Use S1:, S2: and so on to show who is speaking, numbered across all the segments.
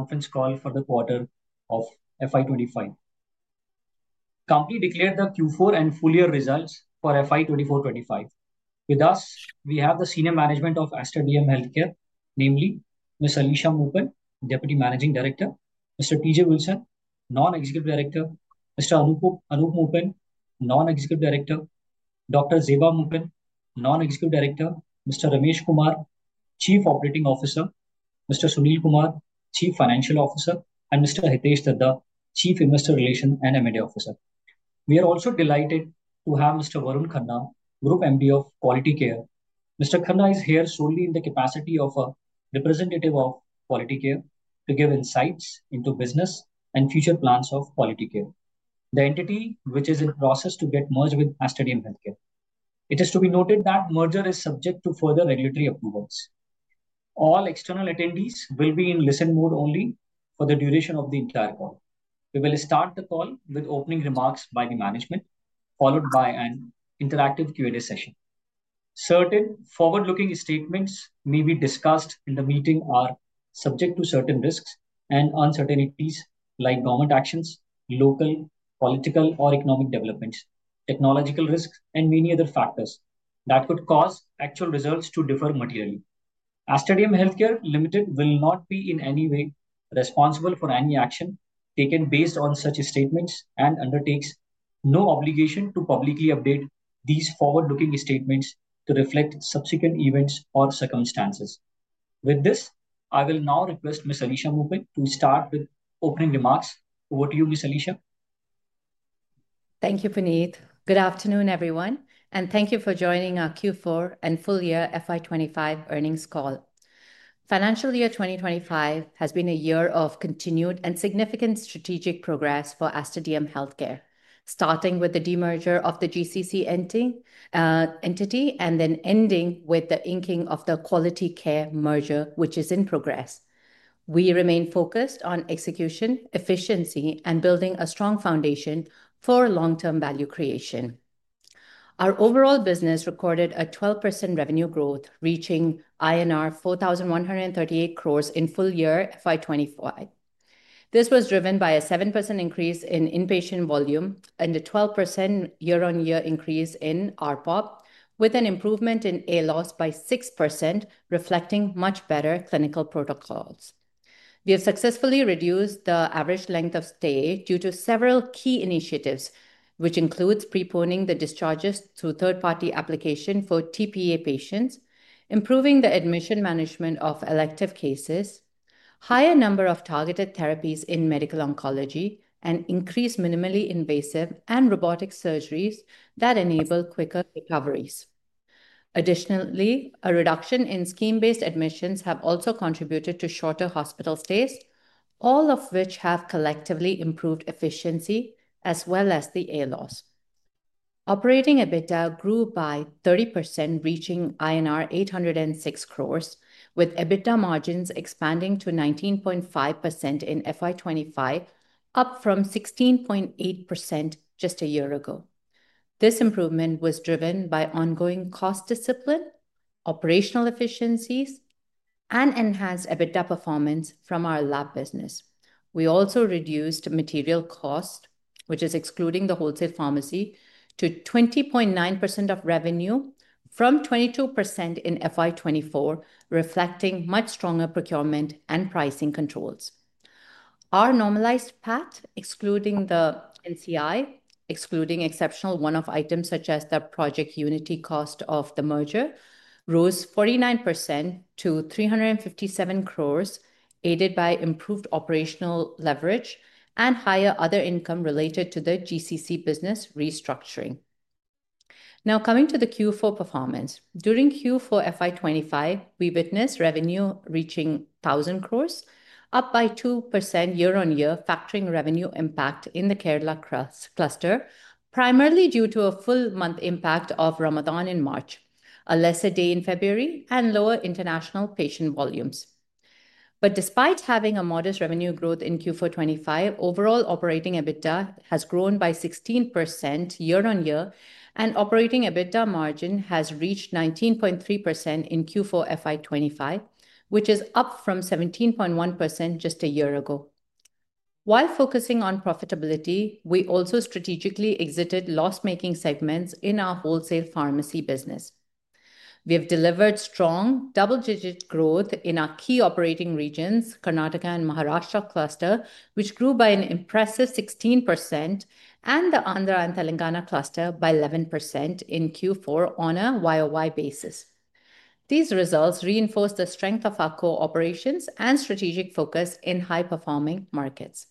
S1: Conference Call for the Quarter of FY 2025. Company declared the Q4 and full year results for FY 2024/2025. With us, we have the Senior Management of Aster DM Healthcare, namely Ms. Alisha Moopen, Deputy Managing Director; Mr. T. J. Wilson, Non-Executive Director; Mr. Anoop Moopen, Non-Executive Director; Dr. Zehba Moopen, Non-Executive Director; Mr. Ramesh Kumar, Chief Operating Officer; Mr. Sunil Kumar, Chief Financial Officer; and Mr. Hitesh Dhaddha, Chief Investor Relations and M&A Officer. We are also delighted to have Mr. Varun Khanna, Group MD of Quality Care. Mr. Khanna is here solely in the capacity of a representative of Quality Care to give insights into business and future plans of Quality Care, the entity which is in the process to get merged with Aster DM Healthcare. It is to be noted that merger is subject to further regulatory approvals. All external attendees will be in listen mode only for the duration of the entire call. We will start the call with opening remarks by the management, followed by an interactive Q&A session. Certain forward-looking statements may be discussed in the meeting are subject to certain risks and uncertainties like government actions, local political or economic developments, technological risks, and many other factors that could cause actual results to differ materially. Aster DM Healthcare will not be in any way responsible for any action taken based on such statements and undertakes no obligation to publicly update these forward-looking statements to reflect subsequent events or circumstances. With this, I will now request Ms. Alisha Moopen to start with opening remarks. Over to you, Ms. Alisha.
S2: Thank you, Puneet. Good afternoon, everyone, and thank you for joining our Q4 and Full Year FY 2025 Earnings Call. Financial year 2025 has been a year of continued and significant strategic progress for Aster DM Healthcare, starting with the demerger of the GCC entity and then ending with the inking of the Quality Care merger, which is in progress. We remain focused on execution, efficiency, and building a strong foundation for long-term value creation. Our overall business recorded a 12% revenue growth, reaching INR 4,138 crore in full year FY 2025. This was driven by a 7% increase in inpatient volume and a 12% year-on-year increase in RPOP, with an improvement in ALOS by 6%, reflecting much better clinical protocols. We have successfully reduced the average length of stay due to several key initiatives, which include preponing the discharges through third-party application for TPA patients, improving the admission management of elective cases, a higher number of targeted therapies in medical oncology, and increased minimally invasive and robotic surgeries that enable quicker recoveries. Additionally, a reduction in scheme-based admissions has also contributed to shorter hospital stays, all of which have collectively improved efficiency as well as the ALOS. Operating EBITDA grew by 30%, reaching INR 806 crores, with EBITDA margins expanding to 19.5% in FY 2025, up from 16.8% just a year ago. This improvement was driven by ongoing cost discipline, operational efficiencies, and enhanced EBITDA performance from our lab business. We also reduced material cost, which is excluding the wholesale pharmacy, to 20.9% of revenue from 22% in FY 2024, reflecting much stronger procurement and pricing controls. Our normalized PAT, excluding the NCI, excluding exceptional one-off items such as the project unity cost of the merger, rose 49% to 357 crore, aided by improved operational leverage and higher other income related to the GCC business restructuring. Now, coming to the Q4 performance. During Q4 FY 2025, we witnessed revenue reaching 1,000 crore, up by 2% year-on-year, factoring revenue impact in the Kerala cluster, primarily due to a full month impact of Ramadan in March, a lesser day in February, and lower international patient volumes. Despite having a modest revenue growth in Q4 FY 2025, overall operating EBITDA has grown by 16% year-on-year, and operating EBITDA margin has reached 19.3% in Q4 FY 2025, which is up from 17.1% just a year ago. While focusing on profitability, we also strategically exited loss-making segments in our wholesale pharmacy business. We have delivered strong double-digit growth in our key operating regions, Karnataka and Maharashtra cluster, which grew by an impressive 16%, and the Andhra and Telangana cluster by 11% in Q4 on a YoY basis. These results reinforce the strength of our core operations and strategic focus in high-performing markets.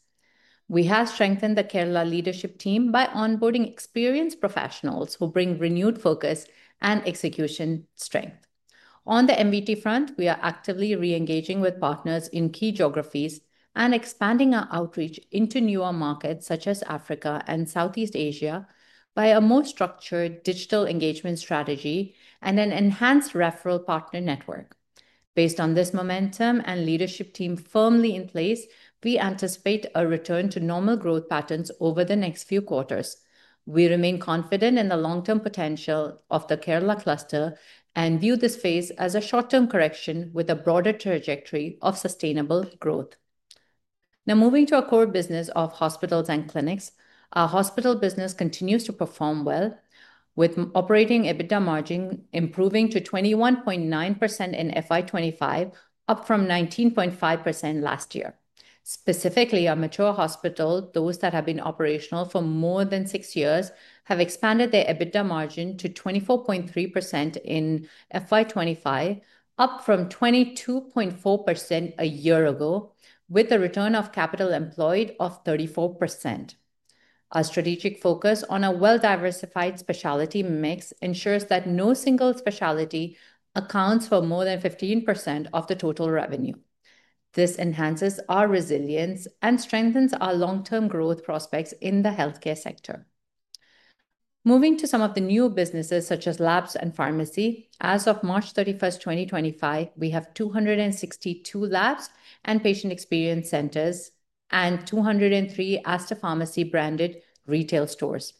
S2: We have strengthened the Kerala leadership team by onboarding experienced professionals who bring renewed focus and execution strength. On the MVT front, we are actively re-engaging with partners in key geographies and expanding our outreach into newer markets such as Africa and Southeast Asia by a more structured digital engagement strategy and an enhanced referral partner network. Based on this momentum and leadership team firmly in place, we anticipate a return to normal growth patterns over the next few quarters. We remain confident in the long-term potential of the Kerala cluster and view this phase as a short-term correction with a broader trajectory of sustainable growth. Now, moving to our core business of hospitals and clinics, our hospital business continues to perform well, with operating EBITDA margin improving to 21.9% in FY 2025, up from 19.5% last year. Specifically, our mature hospitals, those that have been operational for more than six years, have expanded their EBITDA margin to 24.3% in FY 2025, up from 22.4% a year ago, with a return of capital employed of 34%. Our strategic focus on a well-diversified specialty mix ensures that no single specialty accounts for more than 15% of the total revenue. This enhances our resilience and strengthens our long-term growth prospects in the healthcare sector. Moving to some of the new businesses such as labs and pharmacy, as of March 31, 2025, we have 262 labs and patient experience centers and 203 Aster Pharmacy branded retail stores.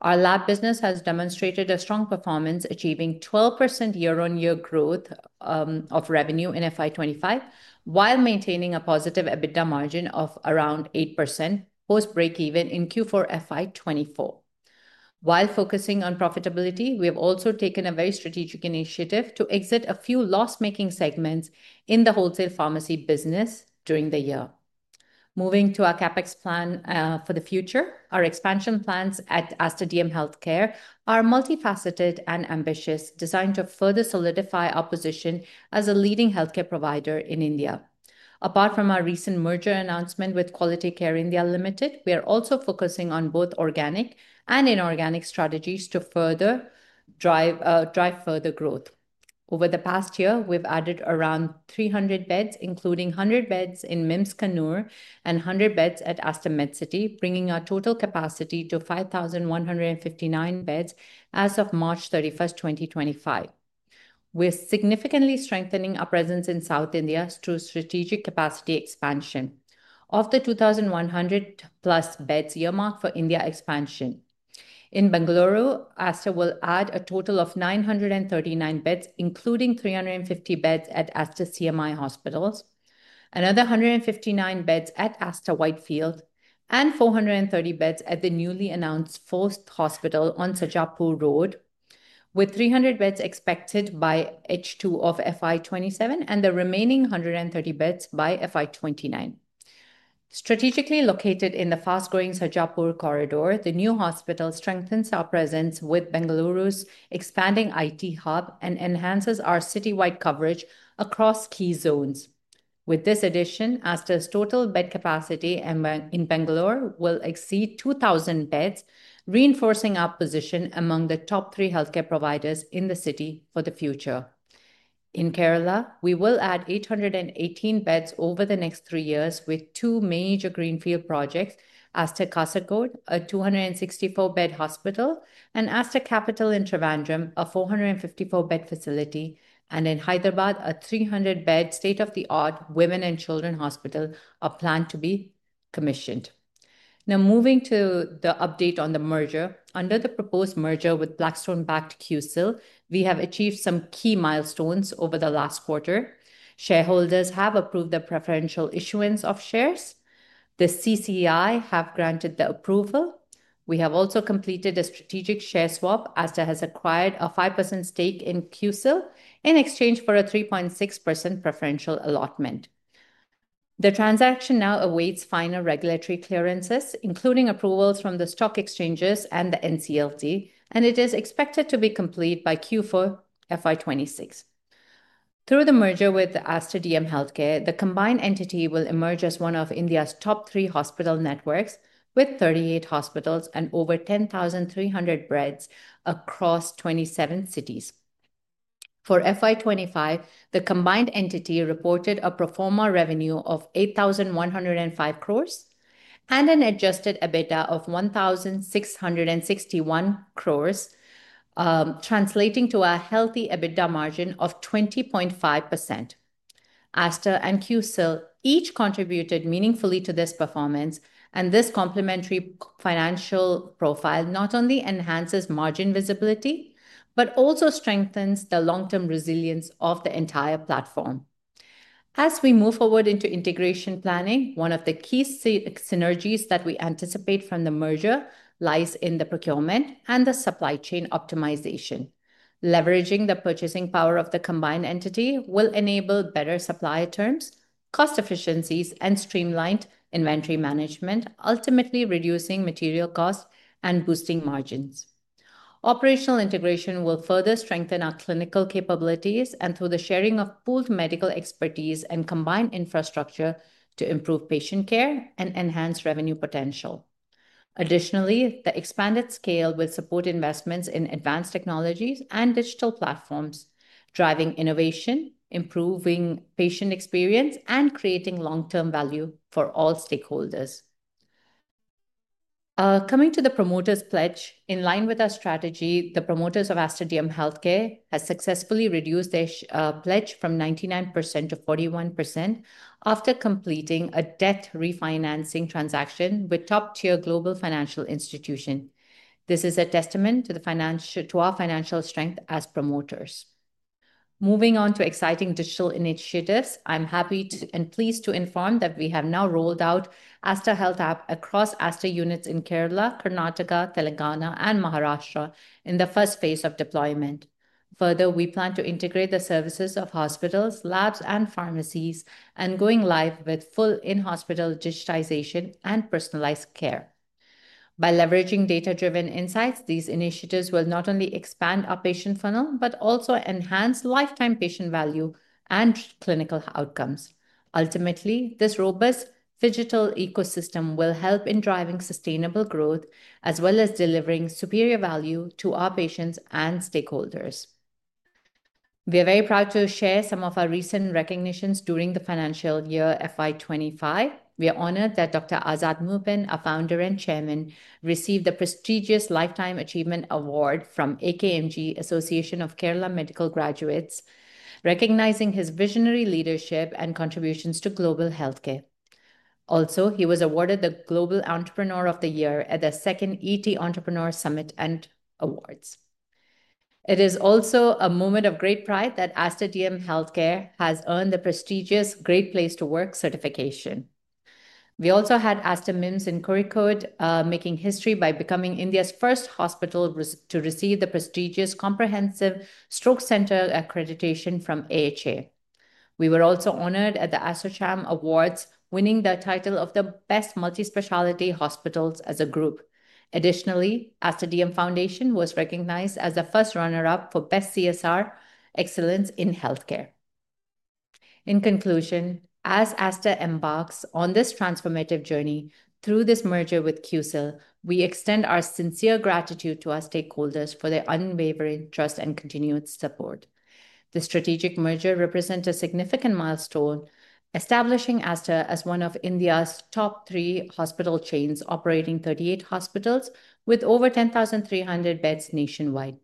S2: Our lab business has demonstrated a strong performance, achieving 12% year-on-year growth of revenue in FY 2025 while maintaining a positive EBITDA margin of around 8% post-breakeven in Q4 FY 2024. While focusing on profitability, we have also taken a very strategic initiative to exit a few loss-making segments in the wholesale pharmacy business during the year. Moving to our CapEx plan for the future, our expansion plans at Aster DM Healthcare are multifaceted and ambitious, designed to further solidify our position as a leading healthcare provider in India. Apart from our recent merger announcement with Quality Care India Limited, we are also focusing on both organic and inorganic strategies to further drive further growth. Over the past year, we've added around 300 beds, including 100 beds in MIMS Kannur and 100 beds at Aster Medcity, bringing our total capacity to 5,159 beds as of March 31, 2025. We're significantly strengthening our presence in South India through strategic capacity expansion of the 2,100+ beds earmarked for India expansion. In Bengaluru, Aster will add a total of 939 beds, including 350 beds at Aster CMI, another 159 beds at Aster Whitefield, and 430 beds at the newly announced fourth hospital on Sajapur Road, with 300 beds expected by H2 of FY 2027 and the remaining 130 beds by FY 2029. Strategically located in the fast-growing Sajapur corridor, the new hospital strengthens our presence with Bengaluru's expanding IT hub and enhances our citywide coverage across key zones. With this addition, Aster's total bed capacity in Bengaluru will exceed 2,000 beds, reinforcing our position among the top three healthcare providers in the city for the future. In Kerala, we will add 818 beds over the next three years with two major greenfield projects: Aster Kasagod, a 264-bed hospital, and Aster Capital in Trivandrum, a 454-bed facility, and in Hyderabad, a 300-bed state-of-the-art women and children hospital are planned to be commissioned. Now, moving to the update on the merger. Under the proposed merger with Blackstone-backed QCIL, we have achieved some key milestones over the last quarter. Shareholders have approved the preferential issuance of shares. The CCI has granted the approval. We have also completed a strategic share swap. Aster has acquired a 5% stake in QCIL in exchange for a 3.6% preferential allotment. The transaction now awaits final regulatory clearances, including approvals from the stock exchanges and the NCLT, and it is expected to be complete by Q4 FY 2026. Through the merger with Aster DM Healthcare, the combined entity will emerge as one of India's top three hospital networks with 38 hospitals and over 10,300 beds across 27 cities. For FY 2025, the combined entity reported a proforma revenue of 8,105 crore and an adjusted EBITDA of 1,661 crore, translating to a healthy EBITDA margin of 20.5%. Aster and QCIL each contributed meaningfully to this performance, and this complementary financial profile not only enhances margin visibility but also strengthens the long-term resilience of the entire platform. As we move forward into integration planning, one of the key synergies that we anticipate from the merger lies in the procurement and the supply chain optimization. Leveraging the purchasing power of the combined entity will enable better supply terms, cost efficiencies, and streamlined inventory management, ultimately reducing material costs and boosting margins. Operational integration will further strengthen our clinical capabilities through the sharing of pooled medical expertise and combined infrastructure to improve patient care and enhance revenue potential. Additionally, the expanded scale will support investments in advanced technologies and digital platforms, driving innovation, improving patient experience, and creating long-term value for all stakeholders. Coming to the promoters' pledge, in line with our strategy, the promoters of Aster DM Healthcare have successfully reduced their pledge from 99% to 41% after completing a debt refinancing transaction with top-tier global financial institutions. This is a testament to our financial strength as promoters. Moving on to exciting digital initiatives, I'm happy and pleased to inform that we have now rolled out Aster Health app across Aster units in Kerala, Karnataka, Telangana, and Maharashtra in the first phase of deployment. Further, we plan to integrate the services of hospitals, labs, and pharmacies and going live with full in-hospital digitization and personalized care. By leveraging data-driven insights, these initiatives will not only expand our patient funnel but also enhance lifetime patient value and clinical outcomes. Ultimately, this robust digital ecosystem will help in driving sustainable growth as well as delivering superior value to our patients and stakeholders. We are very proud to share some of our recent recognitions during the financial year FY 2025. We are honored that Dr. Azad Moopen, our Founder and Chairman, received the prestigious Lifetime Achievement Award from AKMG Association of Kerala Medical Graduates, recognizing his visionary leadership and contributions to global healthcare. Also, he was awarded the Global Entrepreneur of the Year at the second ET Entrepreneur Summit and Awards. It is also a moment of great pride that Aster DM Healthcare has earned the prestigious Great Place to Work certification. We also had Aster MIMS in Kozhikode making history by becoming India's first hospital to receive the prestigious comprehensive stroke center accreditation from AHA. We were also honored at the AsterCham Awards, winning the title of the best multi-specialty hospitals as a group. Additionally, Aster DM Foundation was recognized as the first runner-up for Best CSR Excellence in Healthcare. In conclusion, as Aster embarks on this transformative journey through this merger with QCIL, we extend our sincere gratitude to our stakeholders for their unwavering trust and continued support. The strategic merger represents a significant milestone, establishing Aster as one of India's top three hospital chains, operating 38 hospitals with over 10,300 beds nationwide.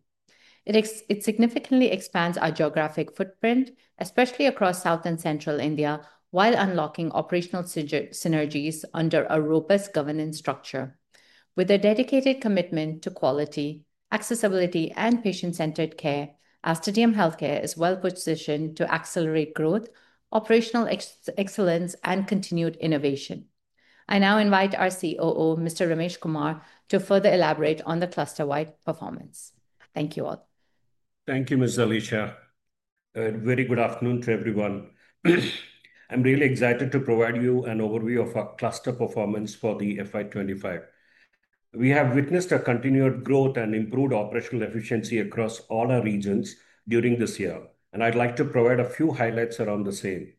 S2: It significantly expands our geographic footprint, especially across South and Central India, while unlocking operational synergies under a robust governance structure. With a dedicated commitment to quality, accessibility, and patient-centered care, Aster DM Healthcare is well-positioned to accelerate growth, operational excellence, and continued innovation. I now invite our COO, Mr. Ramesh Kumar, to further elaborate on the cluster-wide performance. Thank you all.
S3: Thank you, Ms. Alisha. A very good afternoon to everyone. I'm really excited to provide you an overview of our cluster performance for the FY 2025. We have witnessed a continued growth and improved operational efficiency across all our regions during this year, and I'd like to provide a few highlights around the same.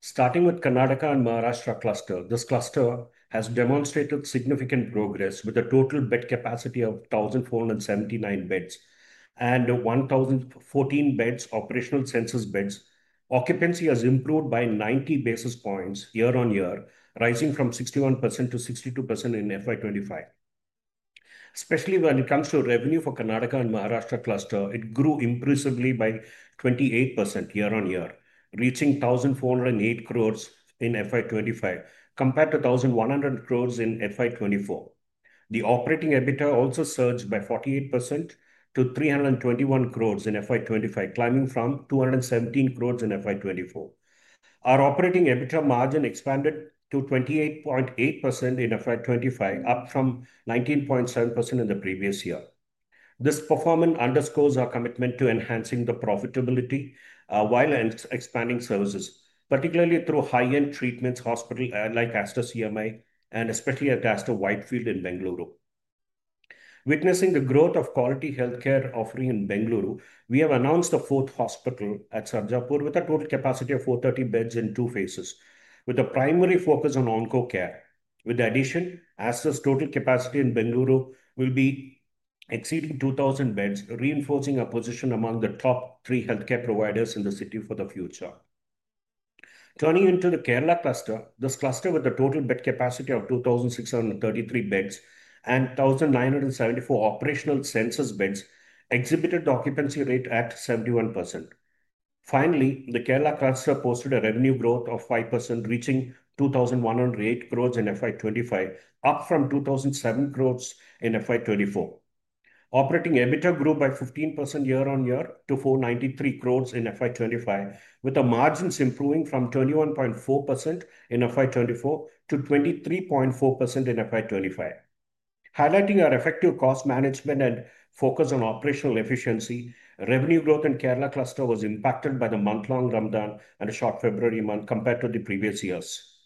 S3: Starting with Karnataka and Maharashtra cluster, this cluster has demonstrated significant progress with a total bed capacity of 1,479 beds and 1,014 beds operational census beds. Occupancy has improved by 90 basis points year-on-year, rising from 61% to 62% in FY 2025. Especially when it comes to revenue for Karnataka and Maharashtra cluster, it grew impressively by 28% year-on-year, reaching 1,408 crore in FY 2025 compared to 1,100 crore in FY 2024. The operating EBITDA also surged by 48% to 321 crore in FY 2025, climbing from 217 crore in FY 2024. Our operating EBITDA margin expanded to 28.8% in FY 2025, up from 19.7% in the previous year. This performance underscores our commitment to enhancing the profitability while expanding services, particularly through high-end treatments hospital like Aster CMI and especially at Aster Whitefield in Bengaluru. Witnessing the growth of quality healthcare offering in Bengaluru, we have announced a fourth hospital at Sarjapur with a total capacity of 430 beds in two phases, with a primary focus on onco-care. With the addition, Aster's total capacity in Bengaluru will be exceeding 2,000 beds, reinforcing our position among the top three healthcare providers in the city for the future. Turning into the Kerala cluster, this cluster with a total bed capacity of 2,633 beds and 1,974 operational census beds exhibited the occupancy rate at 71%. Finally, the Kerala cluster posted a revenue growth of 5%, reaching 2,108 crores in FY 2025, up from 2,007 crores in FY 2024. Operating EBITDA grew by 15% year-on-year to 493 crore in FY 2025, with the margins improving from 21.4% in FY 2024 to 23.4% in FY 2025. Highlighting our effective cost management and focus on operational efficiency, revenue growth in Kerala cluster was impacted by the month-long Ramadan and a short February month compared to the previous years.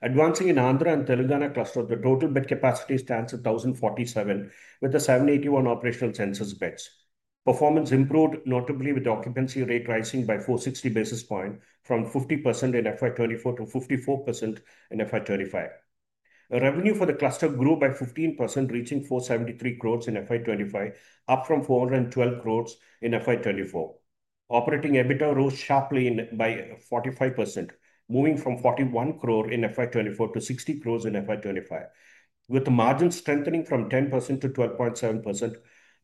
S3: Advancing in Andhra and Telangana cluster, the total bed capacity stands at 1,047 with the 781 operational census beds. Performance improved notably with the occupancy rate rising by 460 basis points from 50% in FY 2024 to 54% in FY 2025. Revenue for the cluster grew by 15%, reaching 473 crore in FY 2025, up from 412 crore in FY 2024. Operating EBITDA rose sharply by 45%, moving from 41 crore in FY 2024 to 60 crore in FY 2025, with the margin strengthening from 10% to 12.7%,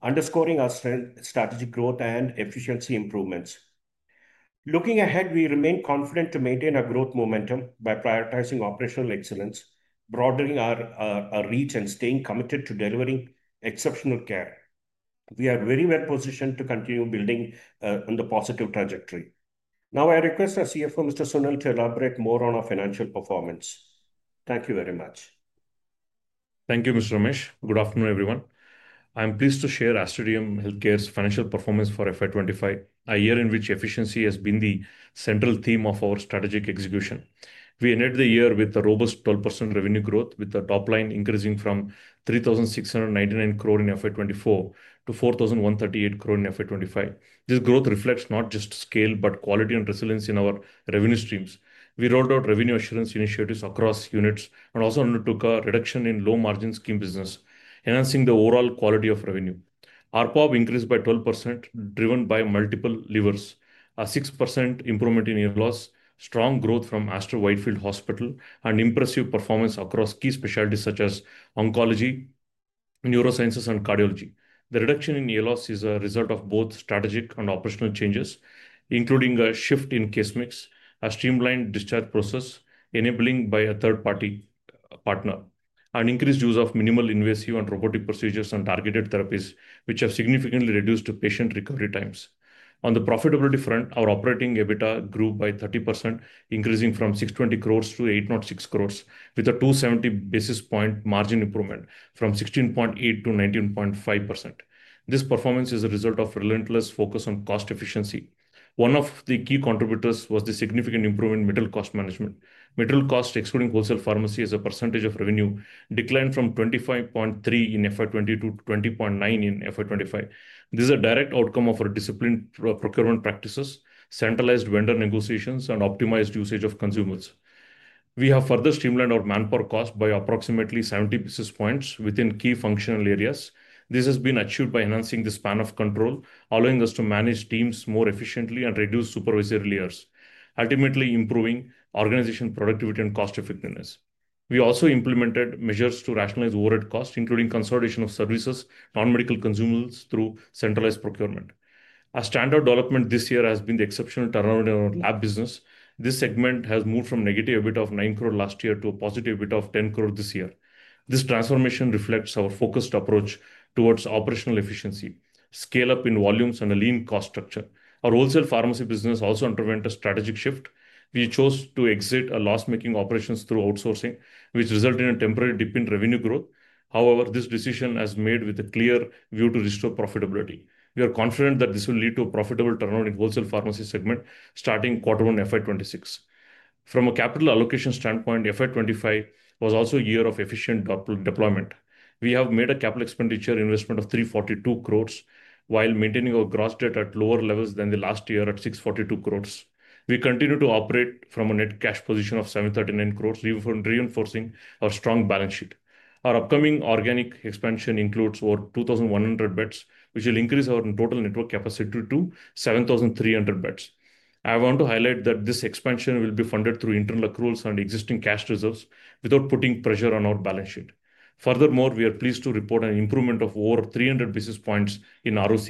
S3: underscoring our strategic growth and efficiency improvements. Looking ahead, we remain confident to maintain our growth momentum by prioritizing operational excellence, broadening our reach, and staying committed to delivering exceptional care. We are very well positioned to continue building on the positive trajectory. Now, I request our CFO, Mr. Sunil, to elaborate more on our financial performance. Thank you very much.
S4: Thank you, Mr. Ramesh. Good afternoon, everyone. I'm pleased to share Aster DM Healthcare's financial performance for FY 2025, a year in which efficiency has been the central theme of our strategic execution. We ended the year with a robust 12% revenue growth, with the top line increasing from 3,699 crore in FY 2024 to 4,138 crore in FY 2025. This growth reflects not just scale but quality and resilience in our revenue streams. We rolled out revenue assurance initiatives across units and also undertook a reduction in low-margin scheme business, enhancing the overall quality of revenue. Our POB increased by 12%, driven by multiple levers: a 6% improvement in ALOS, strong growth from Aster Whitefield Hospital, and impressive performance across key specialties such as oncology, neurosciences, and cardiology. The reduction in ALOS is a result of both strategic and operational changes, including a shift in case mix, a streamlined discharge process enabled by a third-party partner, and increased use of minimally invasive and robotic procedures and targeted therapies, which have significantly reduced patient recovery times. On the profitability front, our operating EBITDA grew by 30%, increasing from 620 crores to 806 crores, with a 270 basis point margin improvement from 16.8% to 19.5%. This performance is a result of relentless focus on cost efficiency. One of the key contributors was the significant improvement in medical cost management. Metal cost, excluding wholesale pharmacy, as a percentage of revenue declined from 25.3% in FY 2020 to 20.9% in FY 2025. This is a direct outcome of our disciplined procurement practices, centralized vendor negotiations, and optimized usage of consumables. We have further streamlined our manpower cost by approximately 70 basis points within key functional areas. This has been achieved by enhancing the span of control, allowing us to manage teams more efficiently and reduce supervisory layers, ultimately improving organization productivity and cost effectiveness. We also implemented measures to rationalize overhead costs, including consolidation of services and non-medical consumables through centralized procurement. Our standout development this year has been the exceptional turnaround in our lab business. This segment has moved from a negative EBITDA of 9 crore last year to a positive EBITDA of 10 crore this year. This transformation reflects our focused approach towards operational efficiency, scale-up in volumes, and a lean cost structure. Our wholesale pharmacy business also underwent a strategic shift. We chose to exit loss-making operations through outsourcing, which resulted in a temporary dip in revenue growth. However, this decision has been made with a clear view to restore profitability. We are confident that this will lead to a profitable turnaround in the wholesale pharmacy segment starting quarter one of FY 2026. From a capital allocation standpoint, FY 2025 was also a year of efficient deployment. We have made a capital expenditure investment of 342 crore while maintaining our gross debt at lower levels than the last year at 642 crore. We continue to operate from a net cash position of 739 crore, reinforcing our strong balance sheet. Our upcoming organic expansion includes over 2,100 beds, which will increase our total network capacity to 7,300 beds. I want to highlight that this expansion will be funded through internal accruals and existing cash reserves without putting pressure on our balance sheet. Furthermore, we are pleased to report an improvement of over 300 basis points in ROC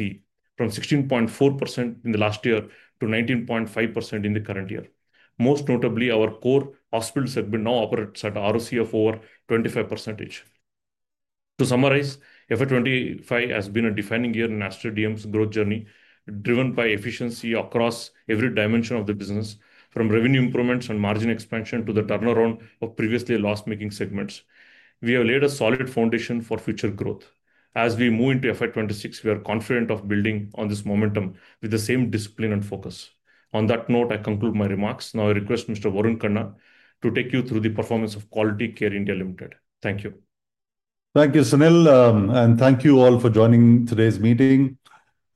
S4: from 16.4% in the last year to 19.5% in the current year. Most notably, our core hospital segment now operates at ROC of over 25%. To summarize, FY 2025 has been a defining year in Aster DM Healthcare's growth journey, driven by efficiency across every dimension of the business, from revenue improvements and margin expansion to the turnaround of previously loss-making segments. We have laid a solid foundation for future growth. As we move into FY 2026, we are confident in building on this momentum with the same discipline and focus. On that note, I conclude my remarks. Now, I request Mr.Varun Khanna to take you through the performance of Quality Care India Limited. Thank you.
S5: Thank you, Sunil, and thank you all for joining today's meeting.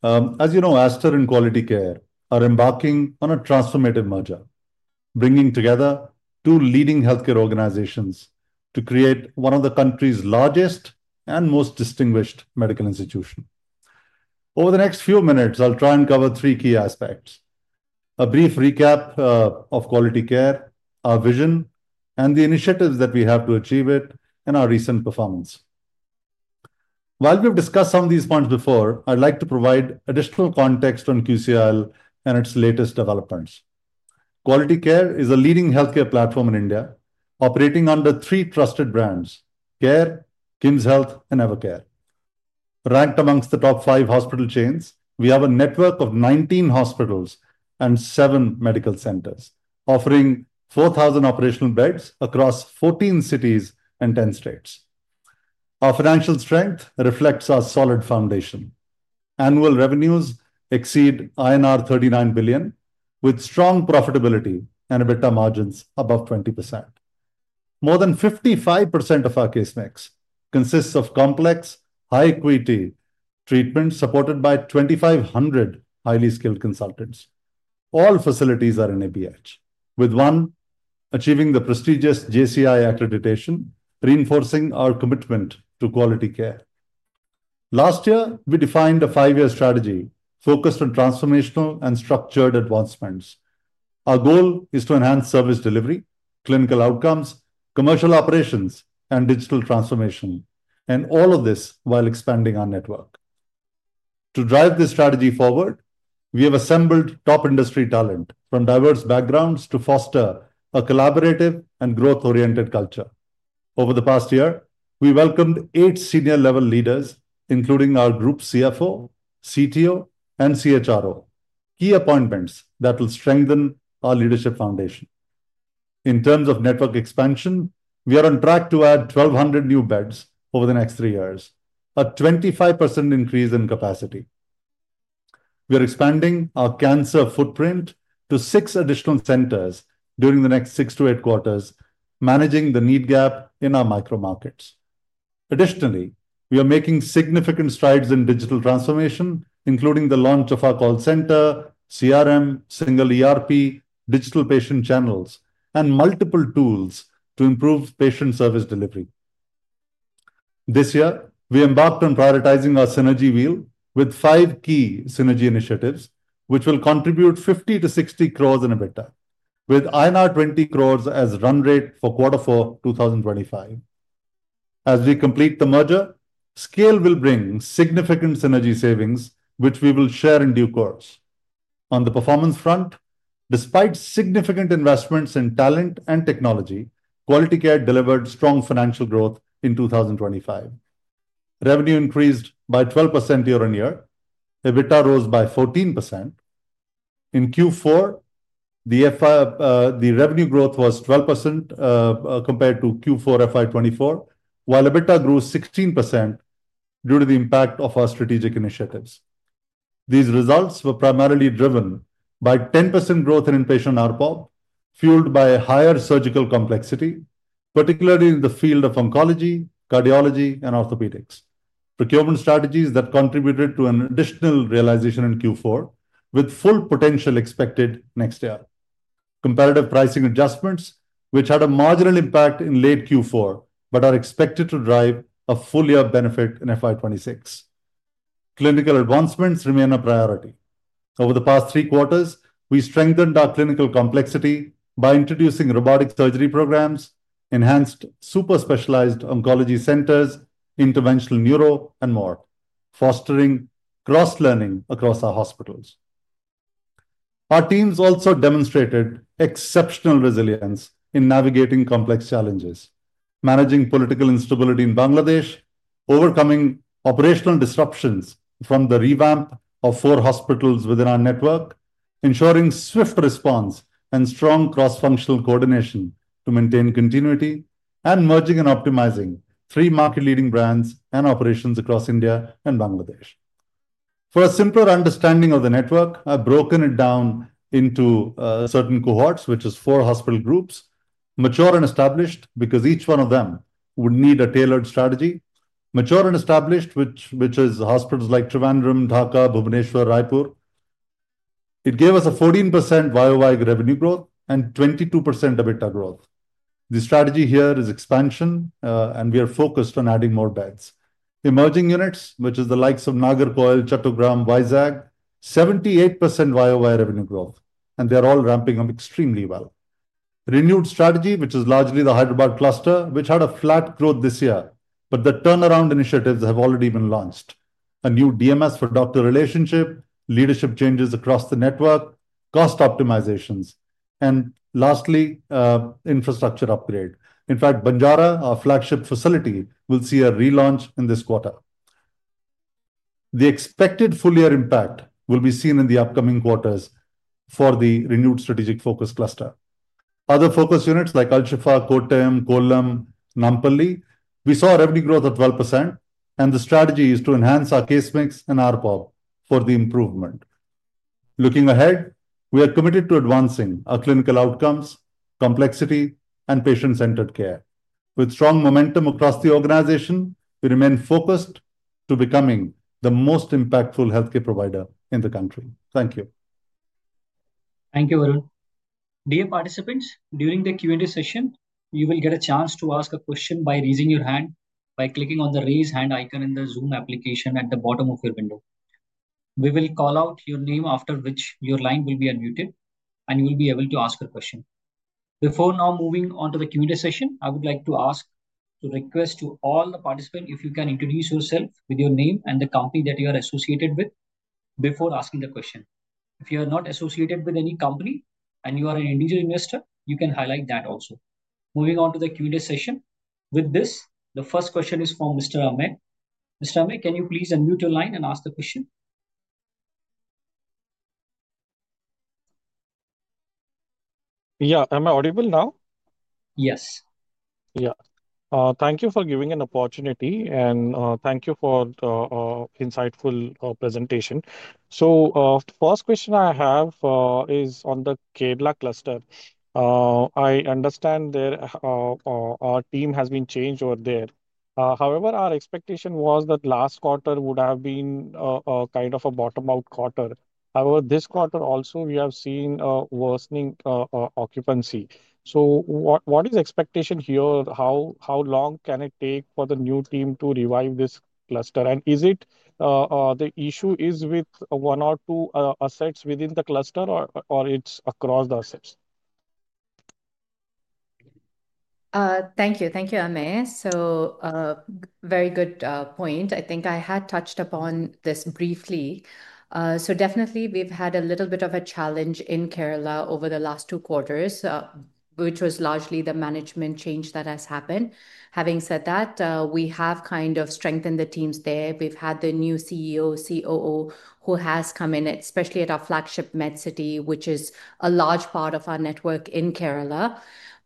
S5: As you know, Aster and Quality Care are embarking on a transformative merger, bringing together two leading healthcare organizations to create one of the country's largest and most distinguished medical institutions. Over the next few minutes, I'll try and cover three key aspects: a brief recap of Quality Care, our vision, and the initiatives that we have to achieve it and our recent performance. While we've discussed some of these points before, I'd like to provide additional context on QCIL and its latest developments. Quality Care is a leading healthcare platform in India, operating under three trusted brands: Care, KIMSHEALTH, and Evercare. Ranked amongst the top five hospital chains, we have a network of 19 hospitals and seven medical centers, offering 4,000 operational beds across 14 cities and 10 states. Our financial strength reflects our solid foundation. Annual revenues exceed INR 39 billion, with strong profitability and EBITDA margins above 20%. More than 55% of our case mix consists of complex, high-quality treatments supported by 2,500 highly skilled consultants. All facilities are in ABH, with one achieving the prestigious JCI accreditation, reinforcing our commitment to quality care. Last year, we defined a five-year strategy focused on transformational and structured advancements. Our goal is to enhance service delivery, clinical outcomes, commercial operations, and digital transformation, and all of this while expanding our network. To drive this strategy forward, we have assembled top industry talent from diverse backgrounds to foster a collaborative and growth-oriented culture. Over the past year, we welcomed eight senior-level leaders, including our Group CFO, CTO, and CHRO, key appointments that will strengthen our leadership foundation. In terms of network expansion, we are on track to add 1,200 new beds over the next three years, a 25% increase in capacity. We are expanding our cancer footprint to six additional centers during the next six to eight quarters, managing the need gap in our micro markets. Additionally, we are making significant strides in digital transformation, including the launch of our call center, CRM, single ERP, digital patient channels, and multiple tools to improve patient service delivery. This year, we embarked on prioritizing our synergy wheel with five key synergy initiatives, which will contribute 50-60 crores in EBITDA, with INR 20 crores as run rate for quarter four 2025. As we complete the merger, scale will bring significant synergy savings, which we will share in due course. On the performance front, despite significant investments in talent and technology, Quality Care delivered strong financial growth in 2025. Revenue increased by 12% year-on-year. EBITDA rose by 14%. In Q4, the revenue growth was 12% compared to Q4 FY 2024, while EBITDA grew 16% due to the impact of our strategic initiatives. These results were primarily driven by 10% growth in inpatient RPOP, fueled by higher surgical complexity, particularly in the field of oncology, cardiology, and orthopedics. Procurement strategies that contributed to an additional realization in Q4, with full potential expected next year. Comparative pricing adjustments, which had a marginal impact in late Q4 but are expected to drive a full year benefit in FY 2026. Clinical advancements remain a priority. Over the past three quarters, we strengthened our clinical complexity by introducing robotic surgery programs, enhanced super-specialized oncology centers, interventional neuro, and more, fostering cross-learning across our hospitals. Our teams also demonstrated exceptional resilience in navigating complex challenges, managing political instability in Bangladesh, overcoming operational disruptions from the revamp of four hospitals within our network, ensuring swift response and strong cross-functional coordination to maintain continuity, and merging and optimizing three market-leading brands and operations across India and Bangladesh. For a simpler understanding of the network, I've broken it down into certain cohorts, which are four hospital groups: mature and established, because each one of them would need a tailored strategy; mature and established, which is hospitals like Trivandrum, Dhaka, Bhubaneswar, and Raipur. It gave us a 14% YoY revenue growth and 22% EBITDA growth. The strategy here is expansion, and we are focused on adding more beds. Emerging units, which are the likes of Nagercoil, Chattogram, and Visakh, have 78% YoY revenue growth, and they are all ramping up extremely well. Renewed strategy, which is largely the Hyderabad cluster, had a flat growth this year, but the turnaround initiatives have already been launched: a new DMS for doctor relationship, leadership changes across the network, cost optimizations, and lastly, infrastructure upgrade. In fact, Banjara, our flagship facility, will see a relaunch in this quarter. The expected full year impact will be seen in the upcoming quarters for the renewed strategic focus cluster. Other focus units like Al Shifa, Kottayam, Kollam, and Nampally—we saw revenue growth of 12%, and the strategy is to enhance our case mix and RPOP for the improvement. Looking ahead, we are committed to advancing our clinical outcomes, complexity, and patient-centered care. With strong momentum across the organization, we remain focused on becoming the most impactful healthcare provider in the country. Thank you.
S1: Thank you, Varun. Dear participants, during the Q&A session, you will get a chance to ask a question by raising your hand by clicking on the raise hand icon in the Zoom application at the bottom of your window. We will call out your name, after which your line will be unmuted, and you will be able to ask a question. Before now moving on to the Q&A session, I would like to request all the participants if you can introduce yourself with your name and the company that you are associated with before asking the question. If you are not associated with any company and you are an individual investor, you can highlight that also. Moving on to the Q&A session. With this, the first question is from Mr. Amey. Mr. Amey, can you please unmute your line and ask the question?
S6: Yeah. Am I audible now?
S2: Yes.
S6: Yeah. Thank you for giving an opportunity, and thank you for an insightful presentation. The first question I have is on the Kerala cluster. I understand our team has been changed over there. However, our expectation was that last quarter would have been a kind of a bottom-out quarter. However, this quarter also, we have seen a worsening occupancy. What is the expectation here? How long can it take for the new team to revive this cluster? Is it the issue with one or two assets within the cluster, or is it across the assets?
S2: Thank you. Thank you, Amey. Very good point. I think I had touched upon this briefly. So definitely, we've had a little bit of a challenge in Kerala over the last two quarters, which was largely the management change that has happened. Having said that, we have kind of strengthened the teams there. We've had the new CEO, COO, who has come in, especially at our flagship, Aster Medcity, which is a large part of our network in Kerala.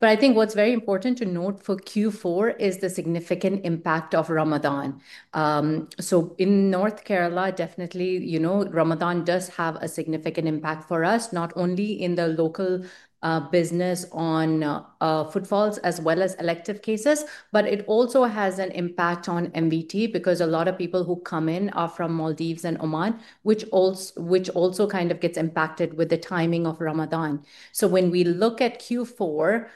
S2: I think what's very important to note for Q4 is the significant impact of Ramadan. In North Kerala, definitely, you know Ramadan does have a significant impact for us, not only in the local business on footfalls as well as elective cases, but it also has an impact on MVT because a lot of people who come in are from Maldives and Oman, which also kind of gets impacted with the timing of Ramadan. When we look at Q4,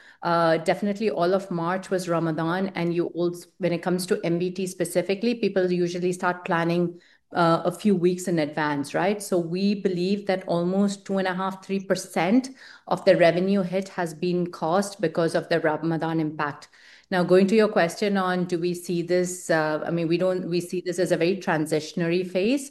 S2: definitely all of March was Ramadan. When it comes to MVT specifically, people usually start planning a few weeks in advance, right? We believe that almost 2.5%-3% of the revenue hit has been caused because of the Ramadan impact. Now, going to your question on do we see this—I mean, we see this as a very transitionary phase.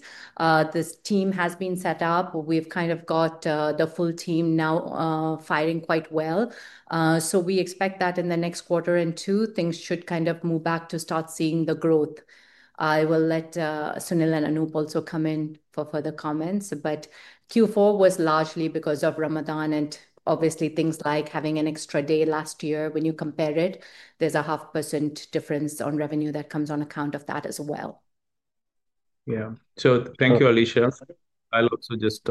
S2: This team has been set up. We have kind of got the full team now firing quite well. We expect that in the next quarter and two, things should kind of move back to start seeing the growth. I will let Sunil and Anoop also come in for further comments. Q4 was largely because of Ramadan and obviously things like having an extra day last year. When you compare it, there is a half percent difference on revenue that comes on account of that as well.
S7: Yeah. Thank you, Alisha. I'll also just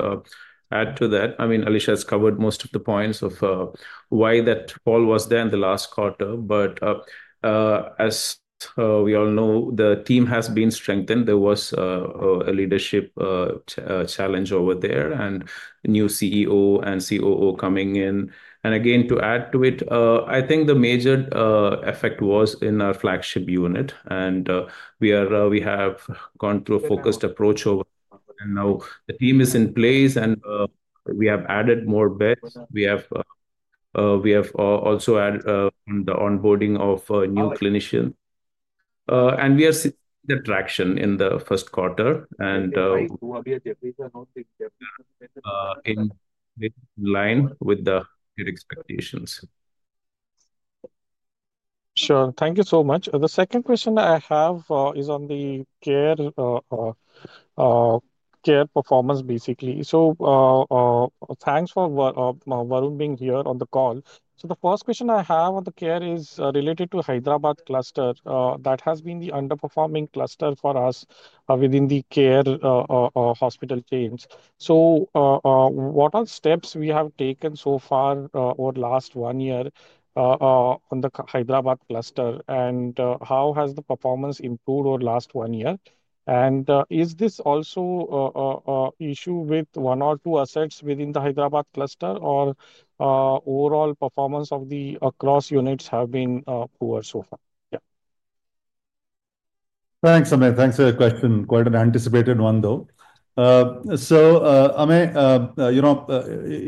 S7: add to that. I mean, Alisha has covered most of the points of why that fall was there in the last quarter. As we all know, the team has been strengthened. There was a leadership challenge over there and a new CEO and COO coming in. Again, to add to it, I think the major effect was in our flagship unit. We have gone through a focused approach over the month. Now the team is in place, and we have added more beds. We have also added on the onboarding of new clinicians. We are seeing the traction in the first quarter and in line with the expectations.
S6: Sure. Thank you so much. The second question I have is on the care performance, basically. Thanks for Varun being here on the call. The first question I have on the care is related to Hyderabad cluster. That has been the underperforming cluster for us within the care hospital chains. What are the steps we have taken so far over the last one year on the Hyderabad cluster? How has the performance improved over the last one year? Is this also an issue with one or two assets within the Hyderabad cluster, or has overall performance across units been poor so far?
S5: Yeah. Thanks, Amey. Thanks for the question. Quite an anticipated one, though. Amey,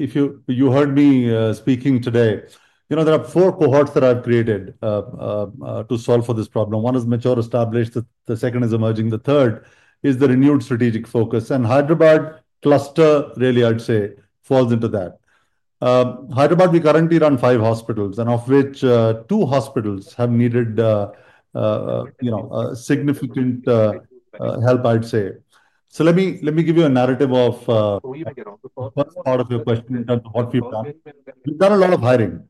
S5: if you heard me speaking today, there are four cohorts that I have created to solve for this problem. One is mature established. The second is emerging. The third is the renewed strategic focus. Hyderabad cluster, really, I would say, falls into that. Hyderabad, we currently run five hospitals, and of which two hospitals have needed significant help, I'd say. Let me give you a narrative of the first part of your question in terms of what we've done. We've done a lot of hiring.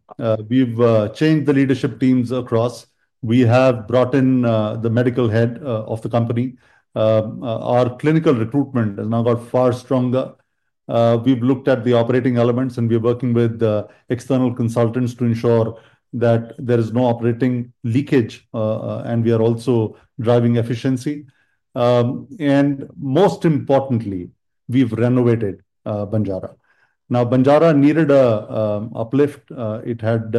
S5: We've changed the leadership teams across. We have brought in the medical head of the company. Our clinical recruitment has now got far stronger. We've looked at the operating elements, and we're working with external consultants to ensure that there is no operating leakage. We are also driving efficiency. Most importantly, we've renovated Banjara. Now, Banjara needed an uplift. It had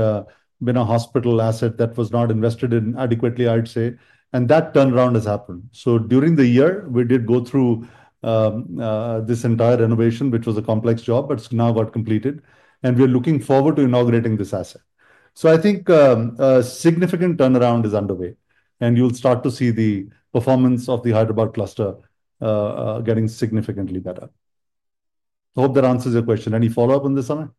S5: been a hospital asset that was not invested in adequately, I'd say. That turnaround has happened. During the year, we did go through this entire renovation, which was a complex job, but it's now got completed. We are looking forward to inaugurating this asset. I think a significant turnaround is underway. You will start to see the performance of the Hyderabad cluster getting significantly better. Hope that answers your question. Any follow up on this, Amey?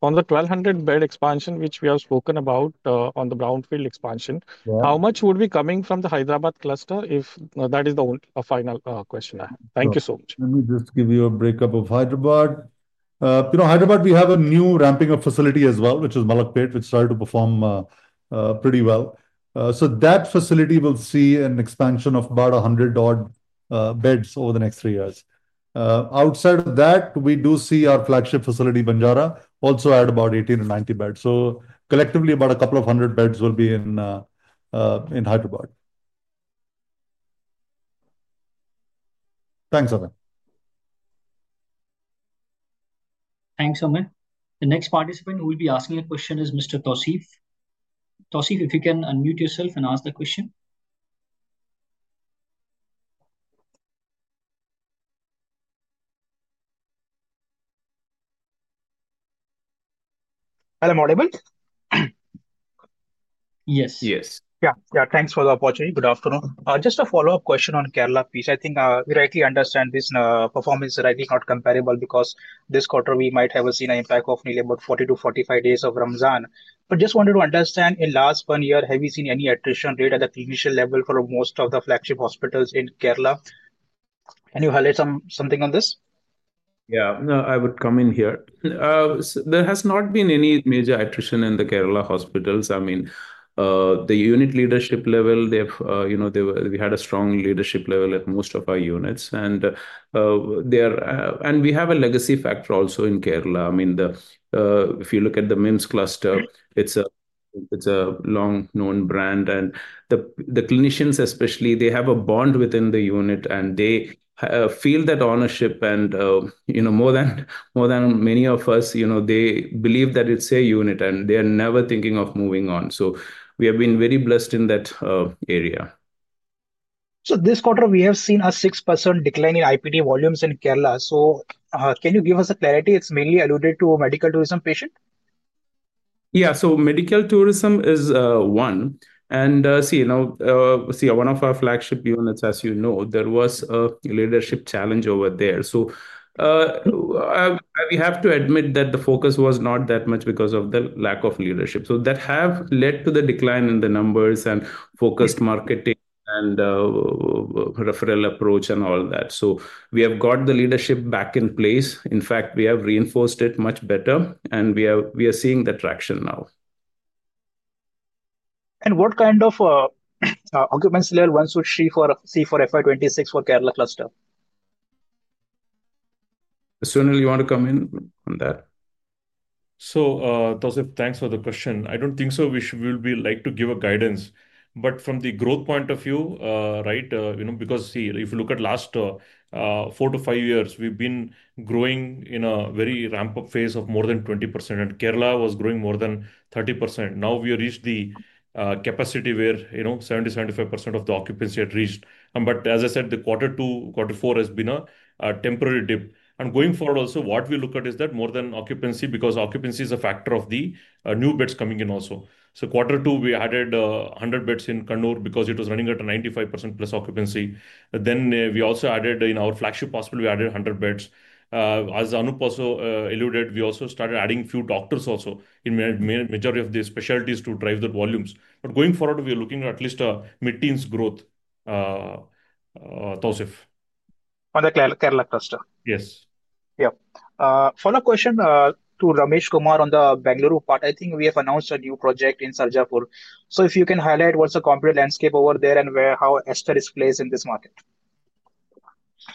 S6: On the 1,200-bed expansion, which we have spoken about on the brownfield expansion, how much would be coming from the Hyderabad cluster? That is the final question I have. Thank you so much.
S5: Let me just give you a breakup of Hyderabad. Hyderabad, we have a new ramping-up facility as well, which is Malakpet, which started to perform pretty well. That facility will see an expansion of about 100 beds over the next three years. Outside of that, we do see our flagship facility, Banjara, also add about 18-90 beds. Collectively, about a couple of hundred beds will be in Hyderabad. Thanks, Amey.
S1: Thanks, Amey. The next participant who will be asking a question is Mr. Tawseef. Tawseef, if you can unmute yourself and ask the question.
S8: Hello and audible?
S1: Yes. Yes.
S8: Yeah. Yeah. Thanks for the opportunity. Good afternoon. Just a follow up question on Kerala, please. I think we rightly understand this performance is rightly not comparable because this quarter, we might have seen an impact of nearly about 40-45 days of Ramadan. Just wanted to understand, in the last one year, have you seen any attrition rate at the clinician level for most of the flagship hospitals in Kerala? Can you highlight something on this?
S7: Yeah. No, I would come in here. There has not been any major attrition in the Kerala hospitals. I mean, the unit leadership level, we had a strong leadership level at most of our units. We have a legacy factor also in Kerala. I mean, if you look at the MIMS cluster, it's a long-known brand. And the clinicians, especially, they have a bond within the unit, and they feel that ownership. More than many of us, they believe that it's a unit, and they are never thinking of moving on. We have been very blessed in that area.
S8: This quarter, we have seen a 6% decline in IPD volumes in Kerala. Can you give us a clarity? It's mainly alluded to a medical tourism patient?
S7: Yeah. Medical tourism is one. One of our flagship units, as you know, there was a leadership challenge over there. We have to admit that the focus was not that much because of the lack of leadership. That has led to the decline in the numbers and focused marketing and referral approach and all that. We have got the leadership back in place. In fact, we have reinforced it much better, and we are seeing the traction now.
S8: What kind of occupancy level 1-3 for FY 2026 for Kerala cluster?
S7: Sunil, you want to come in on that?
S4: Tausif, thanks for the question. I do not think we would like to give guidance. From the growth point of view, right, because if you look at the last four to five years, we have been growing in a very ramp-up phase of more than 20%. Kerala was growing more than 30%. Now we have reached the capacity where 70%-75% of the occupancy had reached. As I said, the quarter two, quarter four has been a temporary dip. Going forward also, what we look at is that more than occupancy because occupancy is a factor of the new beds coming in also. In quarter two, we added 100 beds in Kannur because it was running at a 95%+ occupancy. We also added in our flagship hospital, we added 100 beds. As Anoop also alluded, we also started adding a few doctors in the majority of the specialties to drive the volumes. Going forward, we are looking at at least a mid-teens growth, Tausif.
S8: On the Kerala cluster?
S4: Yes.
S8: Yeah. Final question to Ramesh Kumar on the Bengaluru part. I think we have announced a new project in Sarjapur. If you can highlight what is the competitive landscape over there and how Aster is placed in this market.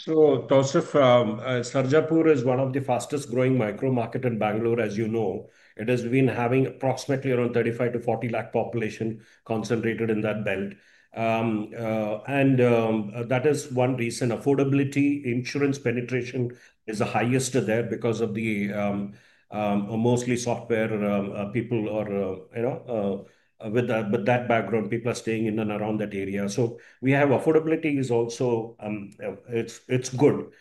S3: Tausif, Sarjapur is one of the fastest-growing micro markets in Bengaluru, as you know. It has been having approximately around 3.5-4.0 million population concentrated in that belt. That is one reason. Affordability, insurance penetration is the highest there because of the mostly software people or with that background, people are staying in and around that area. We have affordability is also good.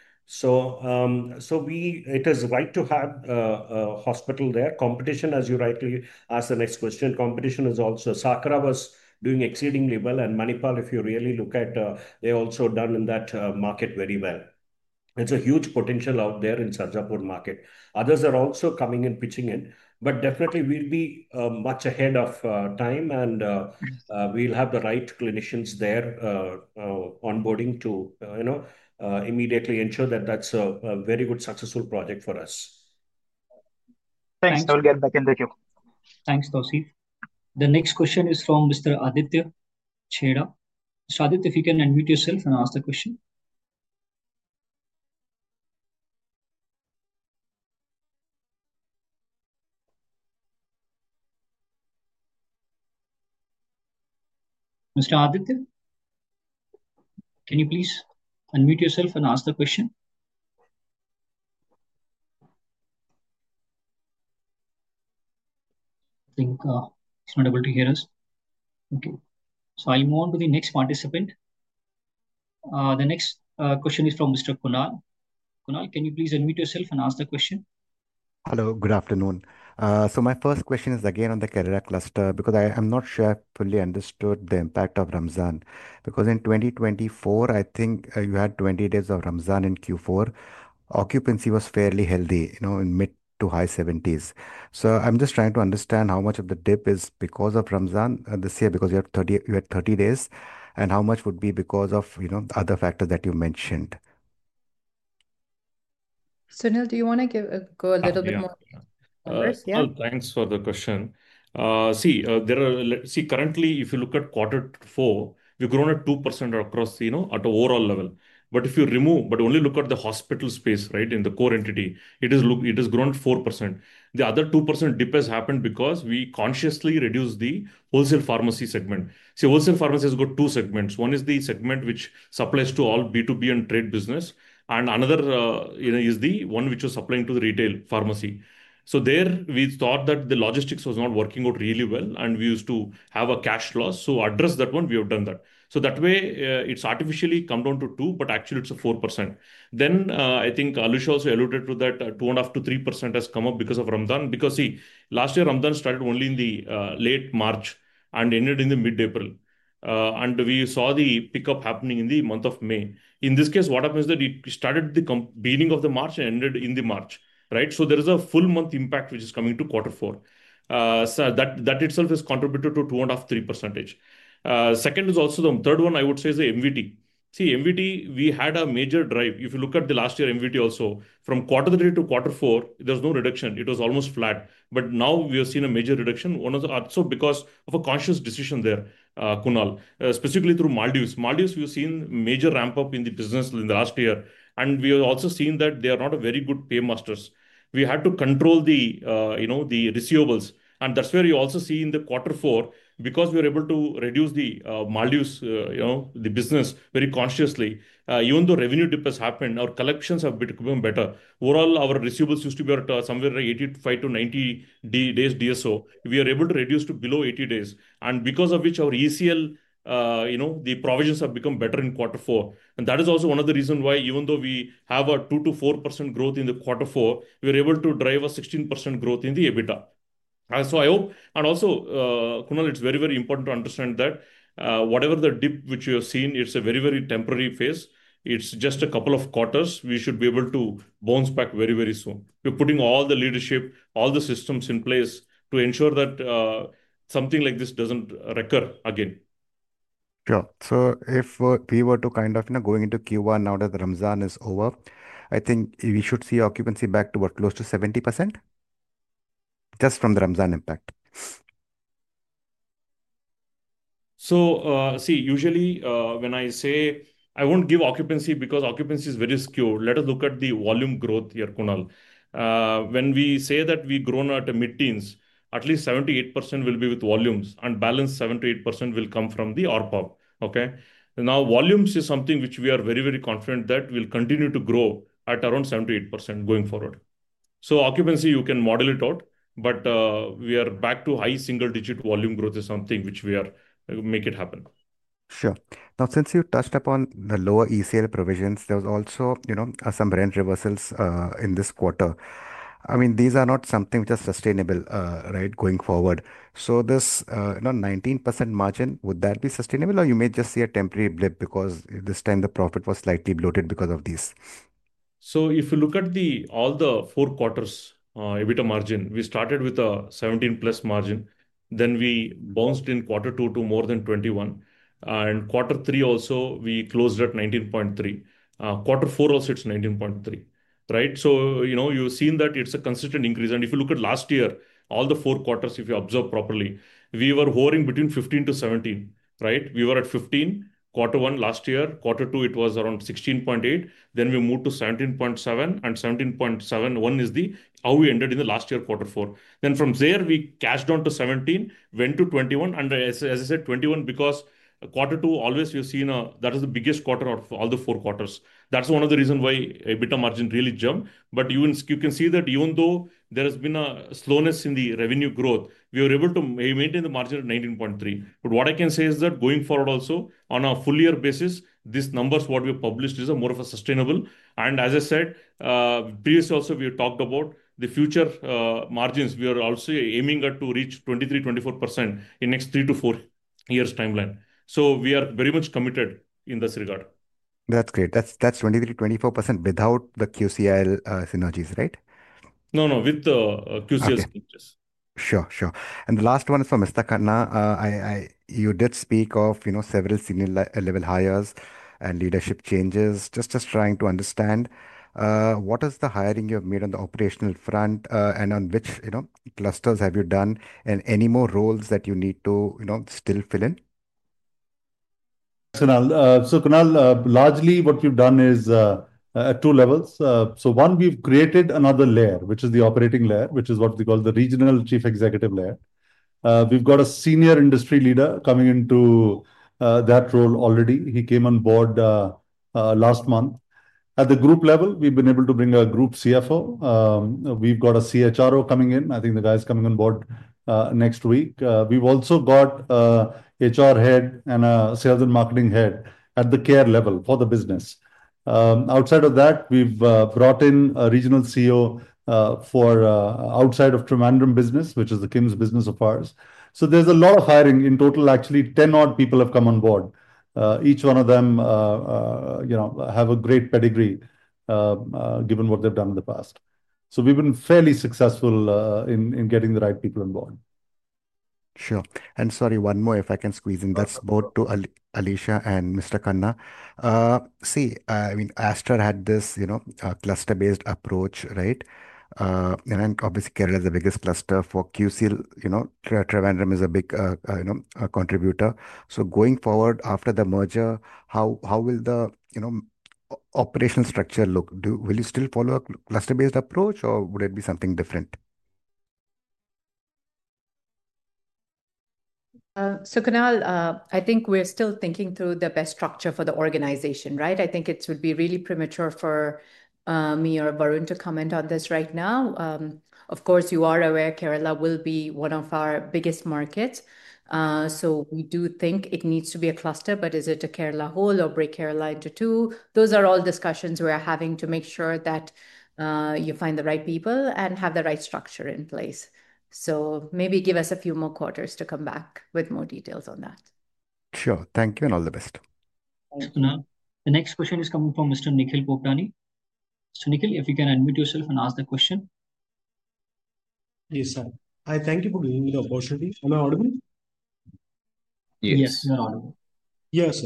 S3: It is right to have a hospital there. Competition, as you rightly asked the next question, competition is also Sakra was doing exceedingly well. Manipal, if you really look at, they also done in that market very well. It is a huge potential out there in Sarjapur market. Others are also coming and pitching in. Definitely, we will be much ahead of time, and we will have the right clinicians there onboarding to immediately ensure that that is a very good, successful project for us.
S8: Thanks. I will get back into queue.
S1: Thanks, Tausif. The next question is from Mr. Aditya Cheda. Aditya, if you can unmute yourself and ask the question. Mr. Aditya, can you please unmute yourself and ask the question? I think he's not able to hear us. Okay. I'll move on to the next participant. The next question is from Mr. Kunal. Kunal, can you please unmute yourself and ask the question?
S9: Hello. Good afternoon. My first question is again on the Kerala cluster because I'm not sure I fully understood the impact of Ramadan. In 2024, I think you had 20 days of Ramadan in Q4. Occupancy was fairly healthy in mid to high 70s. I'm just trying to understand how much of the dip is because of Ramadan this year because you had 30 days, and how much would be because of other factors that you mentioned?
S2: Sunil, do you want to go a little bit more?
S4: Yeah. Thanks for the question. See, currently, if you look at quarter four, we've grown at 2% across at an overall level. If you remove, but only look at the hospital space, right, in the core entity, it has grown at 4%. The other 2% dip has happened because we consciously reduced the wholesale pharmacy segment. See, wholesale pharmacy has got two segments. One is the segment which supplies to all B2B and trade business. Another is the one which is supplying to the retail pharmacy. There, we thought that the logistics was not working out really well, and we used to have a cash loss. To address that one, we have done that. That way, it's artificially come down to 2%, but actually, it's a 4%. I think Alisha also alluded to that 2.5-3% has come up because of Ramadan. Because, see, last year, Ramadan started only in late March and ended in mid-April. We saw the pickup happening in the month of May. In this case, what happens is that it started at the beginning of March and ended in March, right? There is a full month impact, which is coming to quarter four. That itself has contributed to 2.5-3%. Second is also the third one, I would say, is the MVT. See, MVT, we had a major drive. If you look at last year, MVT also, from quarter three to quarter four, there was no reduction. It was almost flat. Now we have seen a major reduction also because of a conscious decision there, Kunal, specifically through Maldives. Maldives, we've seen a major ramp-up in the business in the last year. We have also seen that they are not very good pay masters. We had to control the receivables. That is where you also see in the quarter four, because we were able to reduce the Maldives, the business, very consciously. Even though revenue dip has happened, our collections have become better. Overall, our receivables used to be somewhere 85-90 days DSO. We are able to reduce to below 80 days. Because of which our ECL, the provisions have become better in quarter four. That is also one of the reasons why, even though we have a 2-4% growth in the quarter four, we are able to drive a 16% growth in the EBITDA. I hope, and also, Kunal, it's very, very important to understand that whatever the dip which you have seen, it's a very, very temporary phase. It's just a couple of quarters. We should be able to bounce back very, very soon. We're putting all the leadership, all the systems in place to ensure that something like this doesn't recur again.
S9: Sure. If we were to kind of go into Q1 now that Ramadan is over, I think we should see occupancy back to close to 70% just from the Ramadan impact.
S4: Usually, when I say I won't give occupancy because occupancy is very secure, let us look at the volume growth here, Kunal. When we say that we have grown at mid-teens, at least 78% will be with volumes, and balance 78% will come from the ARPA. Okay? Now, volumes is something which we are very, very confident that will continue to grow at around 7-8% going forward. Occupancy, you can model it out, but we are back to high single-digit volume growth is something which we are making happen.
S9: Sure. Now, since you touched upon the lower ECL provisions, there was also some rent reversals in this quarter. I mean, these are not something which is sustainable, right, going forward. This 19% margin, would that be sustainable, or you may just see a temporary blip because this time the profit was slightly bloated because of these?
S4: If you look at all the four quarters' EBITDA margin, we started with a 17%+ margin. Then we bounced in quarter two to more than 21%. Quarter three also, we closed at 19.3%. Quarter four also, it is 19.3%, right? You have seen that it is a consistent increase. If you look at last year, all the four quarters, if you observe properly, we were hovering between 15%-17%, right? We were at 15% quarter one last year. Quarter two, it was around 16.8%. We moved to 17.7%, and 17.71% is how we ended in the last year quarter four. From there, we cashed down to 17%, went to 21%. As I said, 21% because quarter two, always we've seen that is the biggest quarter of all the four quarters. That's one of the reasons why EBITDA margin really jumped. You can see that even though there has been a slowness in the revenue growth, we were able to maintain the margin at 19.3%. What I can say is that going forward also, on a full-year basis, these numbers, what we published, is more of a sustainable. As I said previously also, we talked about the future margins. We are also aiming to reach 23%-24% in the next three to four years' timeline. We are very much committed in this regard.
S9: That's great. That's 23%-24% without the QCIL synergies, right?
S4: No, no, with QCIL synergies.
S9: Sure, sure. The last one is for Mr. Khanna. You did speak of several senior-level hires and leadership changes. Just trying to understand what is the hiring you have made on the operational front and on which clusters have you done and any more roles that you need to still fill in?
S5: Kunal, largely, what we've done is at two levels. One, we've created another layer, which is the operating layer, which is what we call the regional chief executive layer. We've got a senior industry leader coming into that role already. He came on board last month. At the group level, we've been able to bring a Group CFO. We've got a CHRO coming in. I think the guy's coming on board next week. We've also got HR head and a sales and marketing head at the Care level for the business. Outside of that, we've brought in a regional CEO outside of Trivandrum Business, which is the KIMSHEALTH business of ours. There is a lot of hiring. In total, actually, 10-odd people have come on board. Each one of them have a great pedigree given what they've done in the past. We've been fairly successful in getting the right people on board.
S9: Sure. Sorry, one more, if I can squeeze in. That's both to Alisha and Mr. Khanna. See, I mean, Aster had this cluster-based approach, right? Obviously, Kerala is the biggest cluster for QCIL. Trivandrum is a big contributor. Going forward, after the merger, how will the operational structure look? Will you still follow a cluster-based approach, or would it be something different?
S2: Kunal, I think we're still thinking through the best structure for the organization, right? I think it would be really premature for me or Varun to comment on this right now. Of course, you are aware Kerala will be one of our biggest markets. We do think it needs to be a cluster, but is it a Kerala whole or break Kerala into two? Those are all discussions we're having to make sure that you find the right people and have the right structure in place. Maybe give us a few more quarters to come back with more details on that.
S9: Sure. Thank you and all the best.
S1: Thanks, Kunal. The next question is coming from Mr. Nikhil Koptani. So Nikhil, if you can unmute yourself and ask the question.
S10: Yes, sir. Hi, thank you for giving me the opportunity. Am I audible?
S1: Yes. Yes, you're audible.
S10: Yes,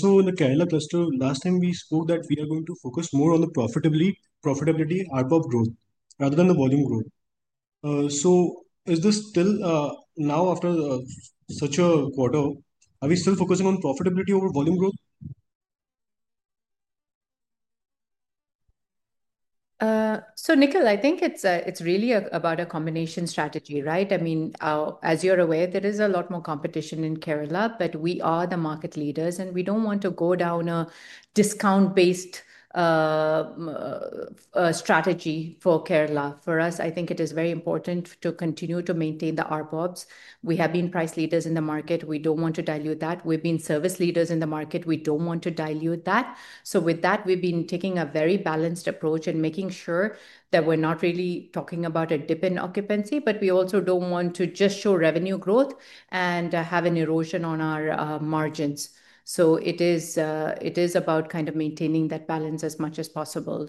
S10: sir. In the Kerala cluster, last time we spoke that we are going to focus more on the profitability, ARPA growth, rather than the volume growth. Is this still now, after such a quarter, are we still focusing on profitability over volume growth?
S2: Nikhil, I think it's really about a combination strategy, right? I mean, as you're aware, there is a lot more competition in Kerala, but we are the market leaders, and we don't want to go down a discount-based strategy for Kerala. For us, I think it is very important to continue to maintain the ARPAs. We have been price leaders in the market. We don't want to dilute that. We've been service leaders in the market. We don't want to dilute that. With that, we've been taking a very balanced approach and making sure that we're not really talking about a dip in occupancy, but we also don't want to just show revenue growth and have an erosion on our margins. It is about kind of maintaining that balance as much as possible.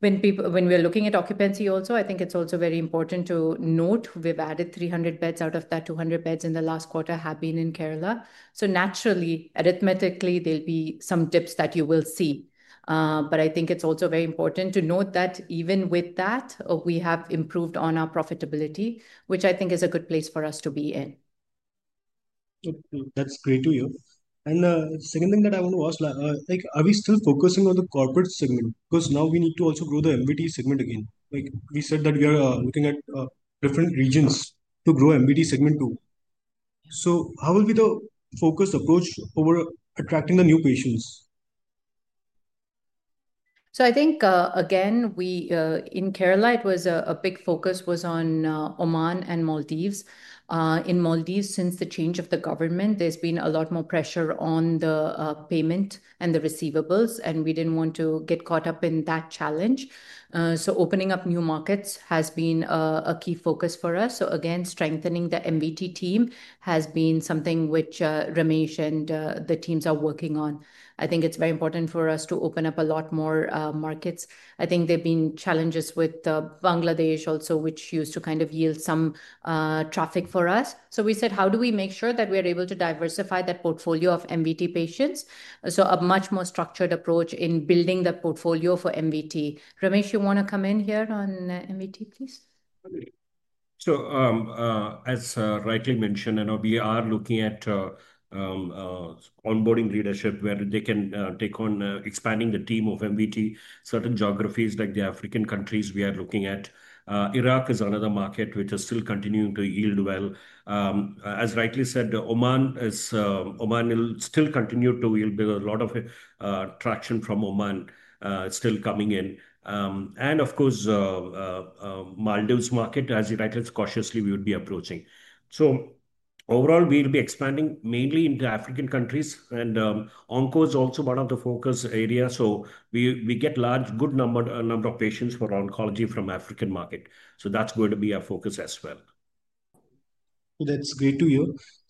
S2: When we're looking at occupancy also, I think it's also very important to note we've added 300 beds, out of that 200 beds in the last quarter have been in Kerala. Naturally, arithmetically, there'll be some dips that you will see. I think it's also very important to note that even with that, we have improved on our profitability, which I think is a good place for us to be in.
S10: That's great to hear. The second thing that I want to ask, are we still focusing on the corporate segment? Because now we need to also grow the MVT segment again. We said that we are looking at different regions to grow the MVT segment too. How will be the focus approach over attracting the new patients?
S2: I think, again, in Kerala, it was a big focus on Oman and Maldives. In Maldives, since the change of the government, there's been a lot more pressure on the payment and the receivables, and we didn't want to get caught up in that challenge. Opening up new markets has been a key focus for us. Again, strengthening the MVT team has been something which Ramesh and the teams are working on. I think it's very important for us to open up a lot more markets. I think there have been challenges with Bangladesh also, which used to kind of yield some traffic for us. We said, how do we make sure that we are able to diversify that portfolio of MVT patients? A much more structured approach in building the portfolio for MVT. Ramesh, you want to come in here on MVT, please?
S3: As rightly mentioned, we are looking at onboarding leadership where they can take on expanding the team of MVT. Certain geographies like the African countries, we are looking at. Iraq is another market which is still continuing to yield well. As rightly said, Oman will still continue to yield because a lot of traction from Oman is still coming in. Of course, Maldives market, as you rightly said, cautiously, we would be approaching. Overall, we will be expanding mainly into African countries. Oncology is also one of the focus areas. We get a large good number of patients for oncology from the African market. That is going to be our focus as well.
S10: That is great to hear.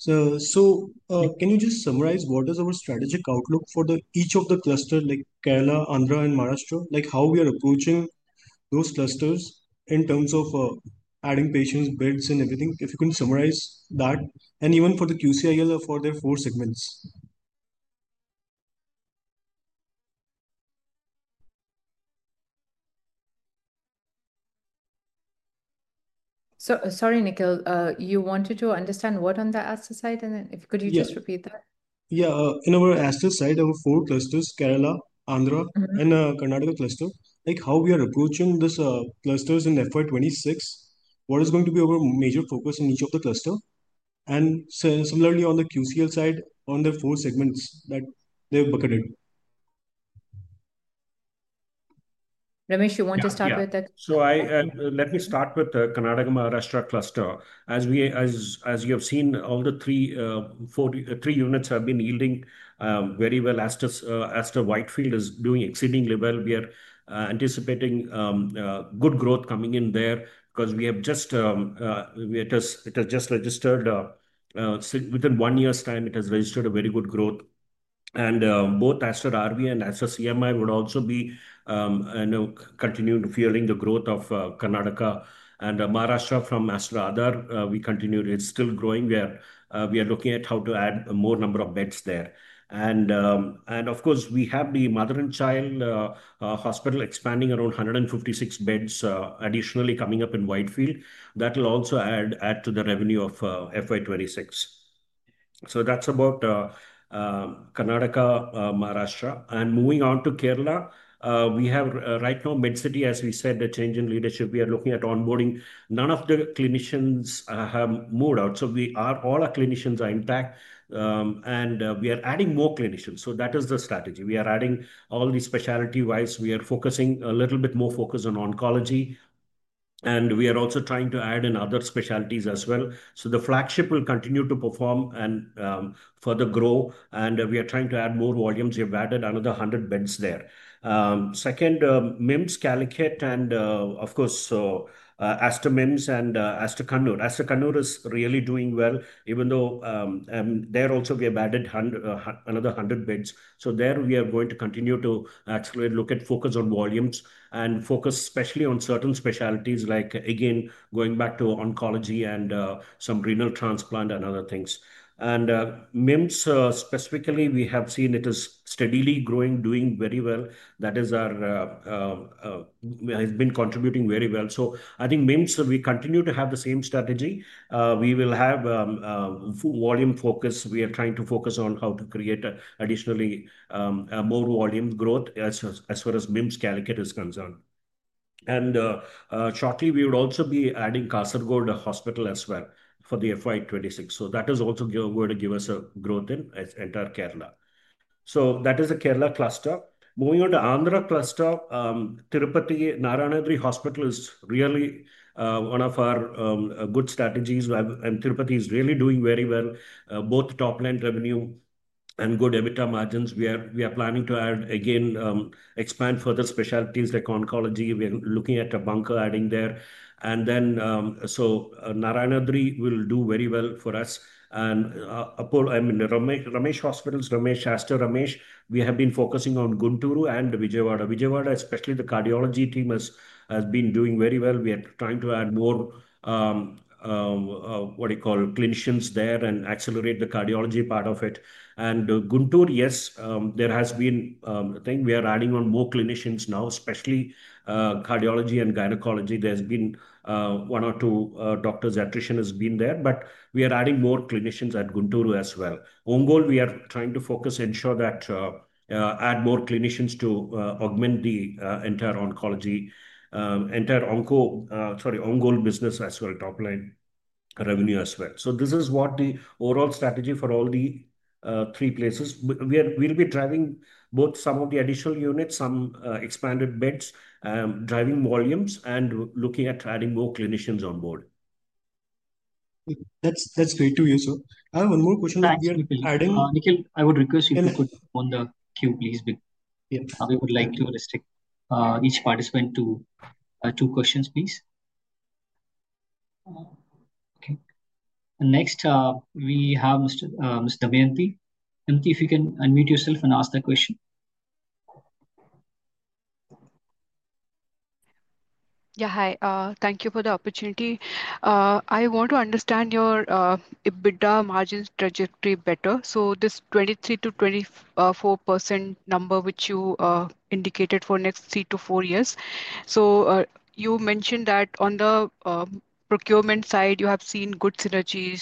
S10: Can you just summarize what is our strategic outlook for each of the clusters like Kerala, Andhra, and Maharashtra? How we are approaching those clusters in terms of adding patients, beds, and everything? If you can summarize that, and even for the QCIL for their four segments.
S2: Sorry, Nikhil, you wanted to understand what on the Aster side, and then could you just repeat that?
S10: Yeah. In our Aster side, our four clusters, Kerala, Andhra, and Karnataka cluster, how we are approaching these clusters in FY 2026, what is going to be our major focus in each of the clusters. Similarly, on the QCIL side, on the four segments that they have bucketed.
S2: Ramesh, you want to start with that?
S3: Let me start with the Karnataka Maharashtra cluster. As you have seen, all the three units have been yielding very well. Aster Whitefield is doing exceedingly well. We are anticipating good growth coming in there because we have just, it has just registered within one year's time, it has registered a very good growth. Both Aster RV and Aster CMI would also be continuing to fuel the growth of Karnataka and Maharashtra from Aster Aadhaar. We continue, it's still growing there. We are looking at how to add a more number of beds there. Of course, we have the mother and child hospital expanding around 156 beds additionally coming up in Whitefield. That will also add to the revenue of FY 2026. That is about Karnataka, Maharashtra. Moving on to Kerala, we have right now Medcity, as we said, the change in leadership. We are looking at onboarding. None of the clinicians have moved out. All our clinicians are intact. We are adding more clinicians. That is the strategy. We are adding all the specialty-wise. We are focusing a little bit more focus on oncology. We are also trying to add in other specialties as well. The flagship will continue to perform and further grow. We are trying to add more volumes. We have added another 100 beds there. Second, MIMS Calicut, and of course, Aster MIMS and Aster Kannur. Aster Kannur is really doing well, even though there also we have added another 100 beds. We are going to continue to look at focus on volumes and focus especially on certain specialties like, again, going back to oncology and some renal transplant and other things. In MIMS specifically, we have seen it is steadily growing, doing very well. That has been contributing very well. I think MIMS, we continue to have the same strategy. We will have volume focus. We are trying to focus on how to create additionally more volume growth as far as MIMS, Calicut is concerned. Shortly, we would also be adding Kasargod Hospital as well for FY 2026. That is also going to give us growth in entire Kerala. That is a Kerala cluster. Moving on to Andhra cluster, Tirupati, Narayanagiri Hospital is really one of our good strategies. Tirupati is really doing very well, both top-line revenue and good EBITDA margins. We are planning to add, again, expand further specialties like oncology. We are looking at a bunker adding there. Narayanagiri will do very well for us. Ramesh Hospitals, Ramesh, Aster Ramesh, we have been focusing on Guntur and Vijayawada. Vijayawada, especially the cardiology team, has been doing very well. We are trying to add more, what we call, clinicians there and accelerate the cardiology part of it. Guntur, yes, I think we are adding on more clinicians now, especially cardiology and gynecology. There has been one or two doctors' attrition, but we are adding more clinicians at Guntur as well. Ongole, we are trying to focus and ensure that we add more clinicians to augment the entire oncology, entire onco, sorry, ongoing business as well, top-line revenue as well. This is what the overall strategy for all the three places is. We will be driving both some of the additional units, some expanded beds, driving volumes, and looking at adding more clinicians on board.
S10: That's great to hear, sir. I have one more question.
S1: Nikhil, I would request you to put on the queue, please. We would like to restrict each participant to two questions, please. Okay. Next, we have Mr. Damayanti. Damayanti, if you can unmute yourself and ask the question.
S11: Yeah, hi. Thank you for the opportunity. I want to understand your EBITDA margins trajectory better. This 23%-24% number, which you indicated for the next 3-4 years. You mentioned that on the procurement side, you have seen good synergies,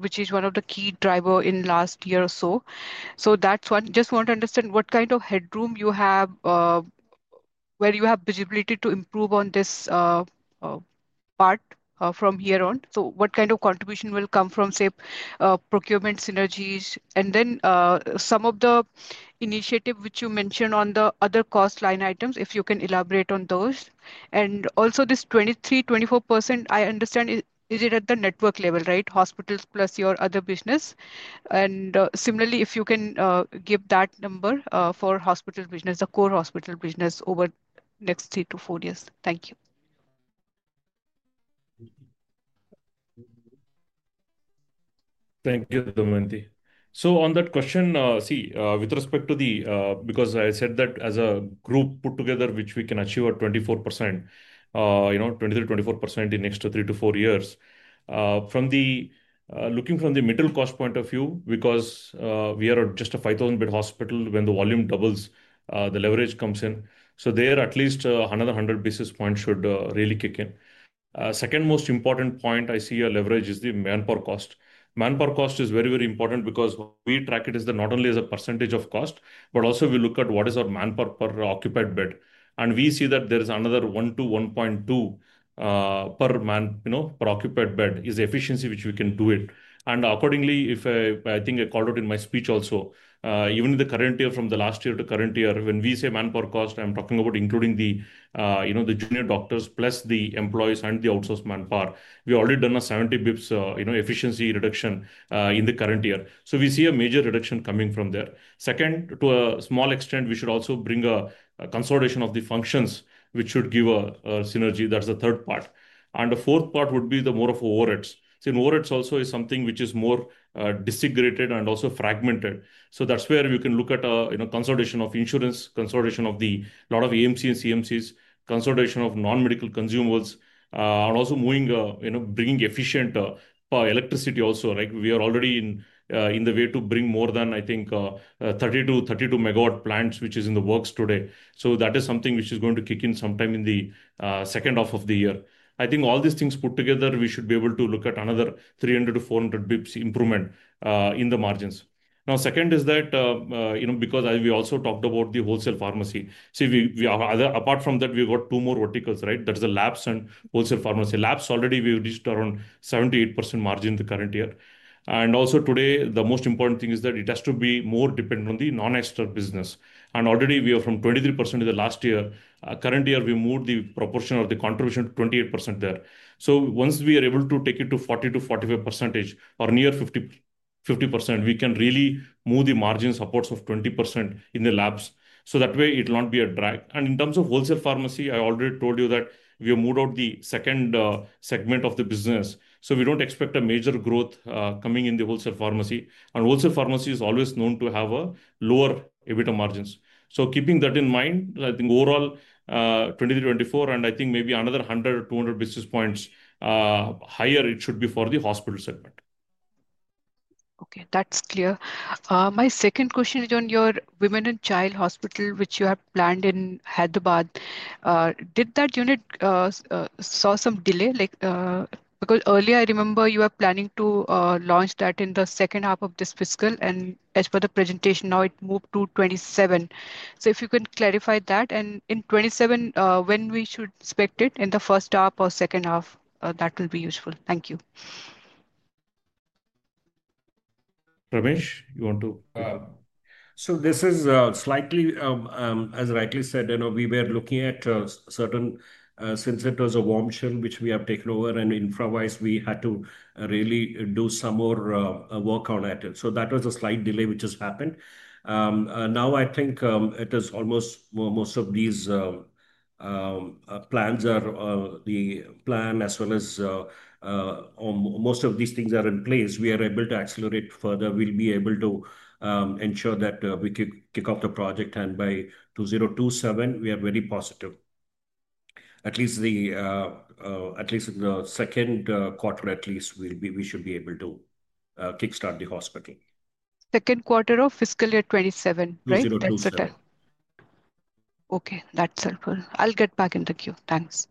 S11: which is one of the key drivers in the last year or so. That is one. I just want to understand what kind of headroom you have, where you have visibility to improve on this part from here on. What kind of contribution will come from, say, procurement synergies? Then some of the initiatives which you mentioned on the other cost line items, if you can elaborate on those. Also, this 23-24%, I understand, is it at the network level, right? Hospitals plus your other business. Similarly, if you can give that number for hospital business, the core hospital business over the next 3-4 years. Thank you.
S4: Thank you, Damayanti. On that question, see, with respect to the, because I said that as a group put together, which we can achieve at 23%-24% in the next 3-4 years, looking from the middle cost point of view, because we are just a 5,000-bed hospital, when the volume doubles, the leverage comes in. There, at least another 100 basis points should really kick in. The second most important point I see a leverage is the manpower cost. Manpower cost is very, very important because we track it not only as a percentage of cost, but also we look at what is our manpower per occupied bed. We see that there is another 1 to 1.2 per occupied bed is the efficiency which we can do it. Accordingly, if I think I called out in my speech also, even in the current year from the last year to current year, when we say manpower cost, I'm talking about including the junior doctors plus the employees and the outsourced manpower. We already done a 70 basis points efficiency reduction in the current year. We see a major reduction coming from there. Second, to a small extent, we should also bring a consolidation of the functions, which should give a synergy. That is the third part. The fourth part would be more of overheads. Overheads also is something which is more desegregated and also fragmented. That is where we can look at a consolidation of insurance, consolidation of a lot of AMCs and CMCs, consolidation of non-medical consumers, and also bringing efficient electricity also. We are already in the way to bring more than, I think, 30-32 megawatt plants, which is in the works today. That is something which is going to kick in sometime in the second half of the year. I think all these things put together, we should be able to look at another 300-400 basis points improvement in the margins. Now, second is that because we also talked about the wholesale pharmacy. See, apart from that, we've got two more verticals, right? There's the labs and wholesale pharmacy. Labs already we reached around 78% margin the current year. Also today, the most important thing is that it has to be more dependent on the non-Aster business. Already we are from 23% in the last year. Current year, we moved the proportion of the contribution to 28% there. Once we are able to take it to 40-45% or near 50%, we can really move the margin supports of 20% in the labs. That way, it will not be a drag. In terms of wholesale pharmacy, I already told you that we have moved out the second segment of the business. We do not expect a major growth coming in the wholesale pharmacy. Wholesale pharmacy is always known to have lower EBITDA margins. Keeping that in mind, I think overall 23, 24, and I think maybe another 100 or 200 basis points higher, it should be for the hospital segment.
S11: Okay, that's clear. My second question is on your women and child hospital, which you have planned in Hyderabad. Did that unit see some delay? Because earlier, I remember you were planning to launch that in the second half of this fiscal, and as per the presentation, now it moved to 2027. If you can clarify that, and in 2027, when we should expect it, in the first half or second half, that will be useful. Thank you.
S4: Ramesh, you want to? This is slightly, as rightly said, we were looking at certain, since it was a warm shell, which we have taken over, and infra-wise, we had to really do some more work on it. That was a slight delay which has happened. Now, I think it is almost, most of these plans are the plan, as well as most of these things are in place. We are able to accelerate further. We will be able to ensure that we could kick off the project. By 2027, we are very positive. At least the second quarter, at least we should be able to kickstart the hospital.
S11: Second quarter of fiscal year 2027, right?
S4: 2027.
S11: Okay, that's helpful. I'll get back in the queue. Thanks.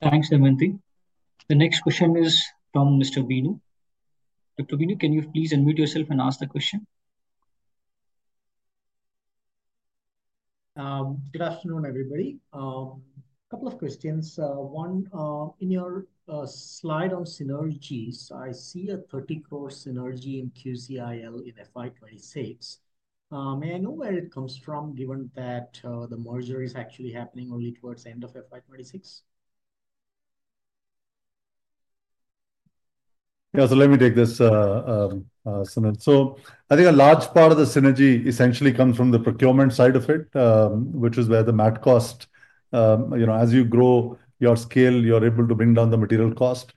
S1: Thanks, Damayanti. The next question is from Mr. Beenu. Dr. Beenu, can you please unmute yourself and ask the question?
S12: Good afternoon, everybody. A couple of questions. One, in your slide on synergies, I see a 30 crore synergy in QCIL in FY 2026. May I know where it comes from, given that the merger is actually happening only towards the end of FY 2026?
S5: Yeah, so let me take this, Sunil. So I think a large part of the synergy essentially comes from the procurement side of it, which is where the mat cost, as you grow your scale, you're able to bring down the material cost.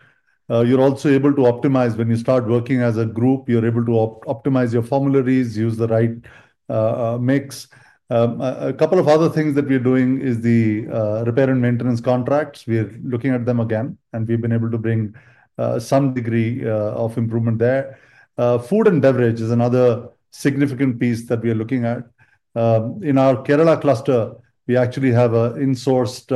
S5: You're also able to optimize when you start working as a group, you're able to optimize your formularies, use the right mix. A couple of other things that we're doing is the repair and maintenance contracts. We're looking at them again, and we've been able to bring some degree of improvement there. Food and beverage is another significant piece that we are looking at. In our Kerala cluster, we actually have an insourced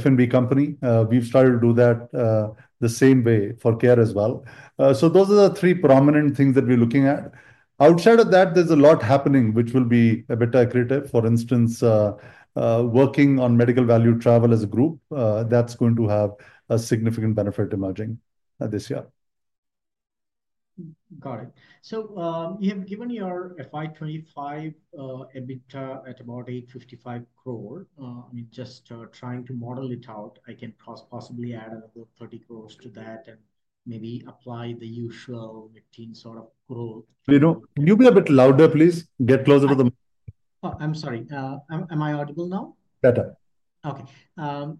S5: F&B company. We've started to do that the same way for Care as well. Those are the three prominent things that we're looking at. Outside of that, there's a lot happening, which will be a bit aggregative. For instance, working on medical value travel as a group, that's going to have a significant benefit emerging this year.
S12: Got it. You have given your FY 2025 EBITDA at about 855 crore. I mean, just trying to model it out, I can possibly add another 30 crore to that and maybe apply the usual 15% sort of growth.
S5: Can you be a bit louder, please? Get closer to the mic.
S12: I'm sorry. Am I audible now?
S5: Better.
S12: Okay.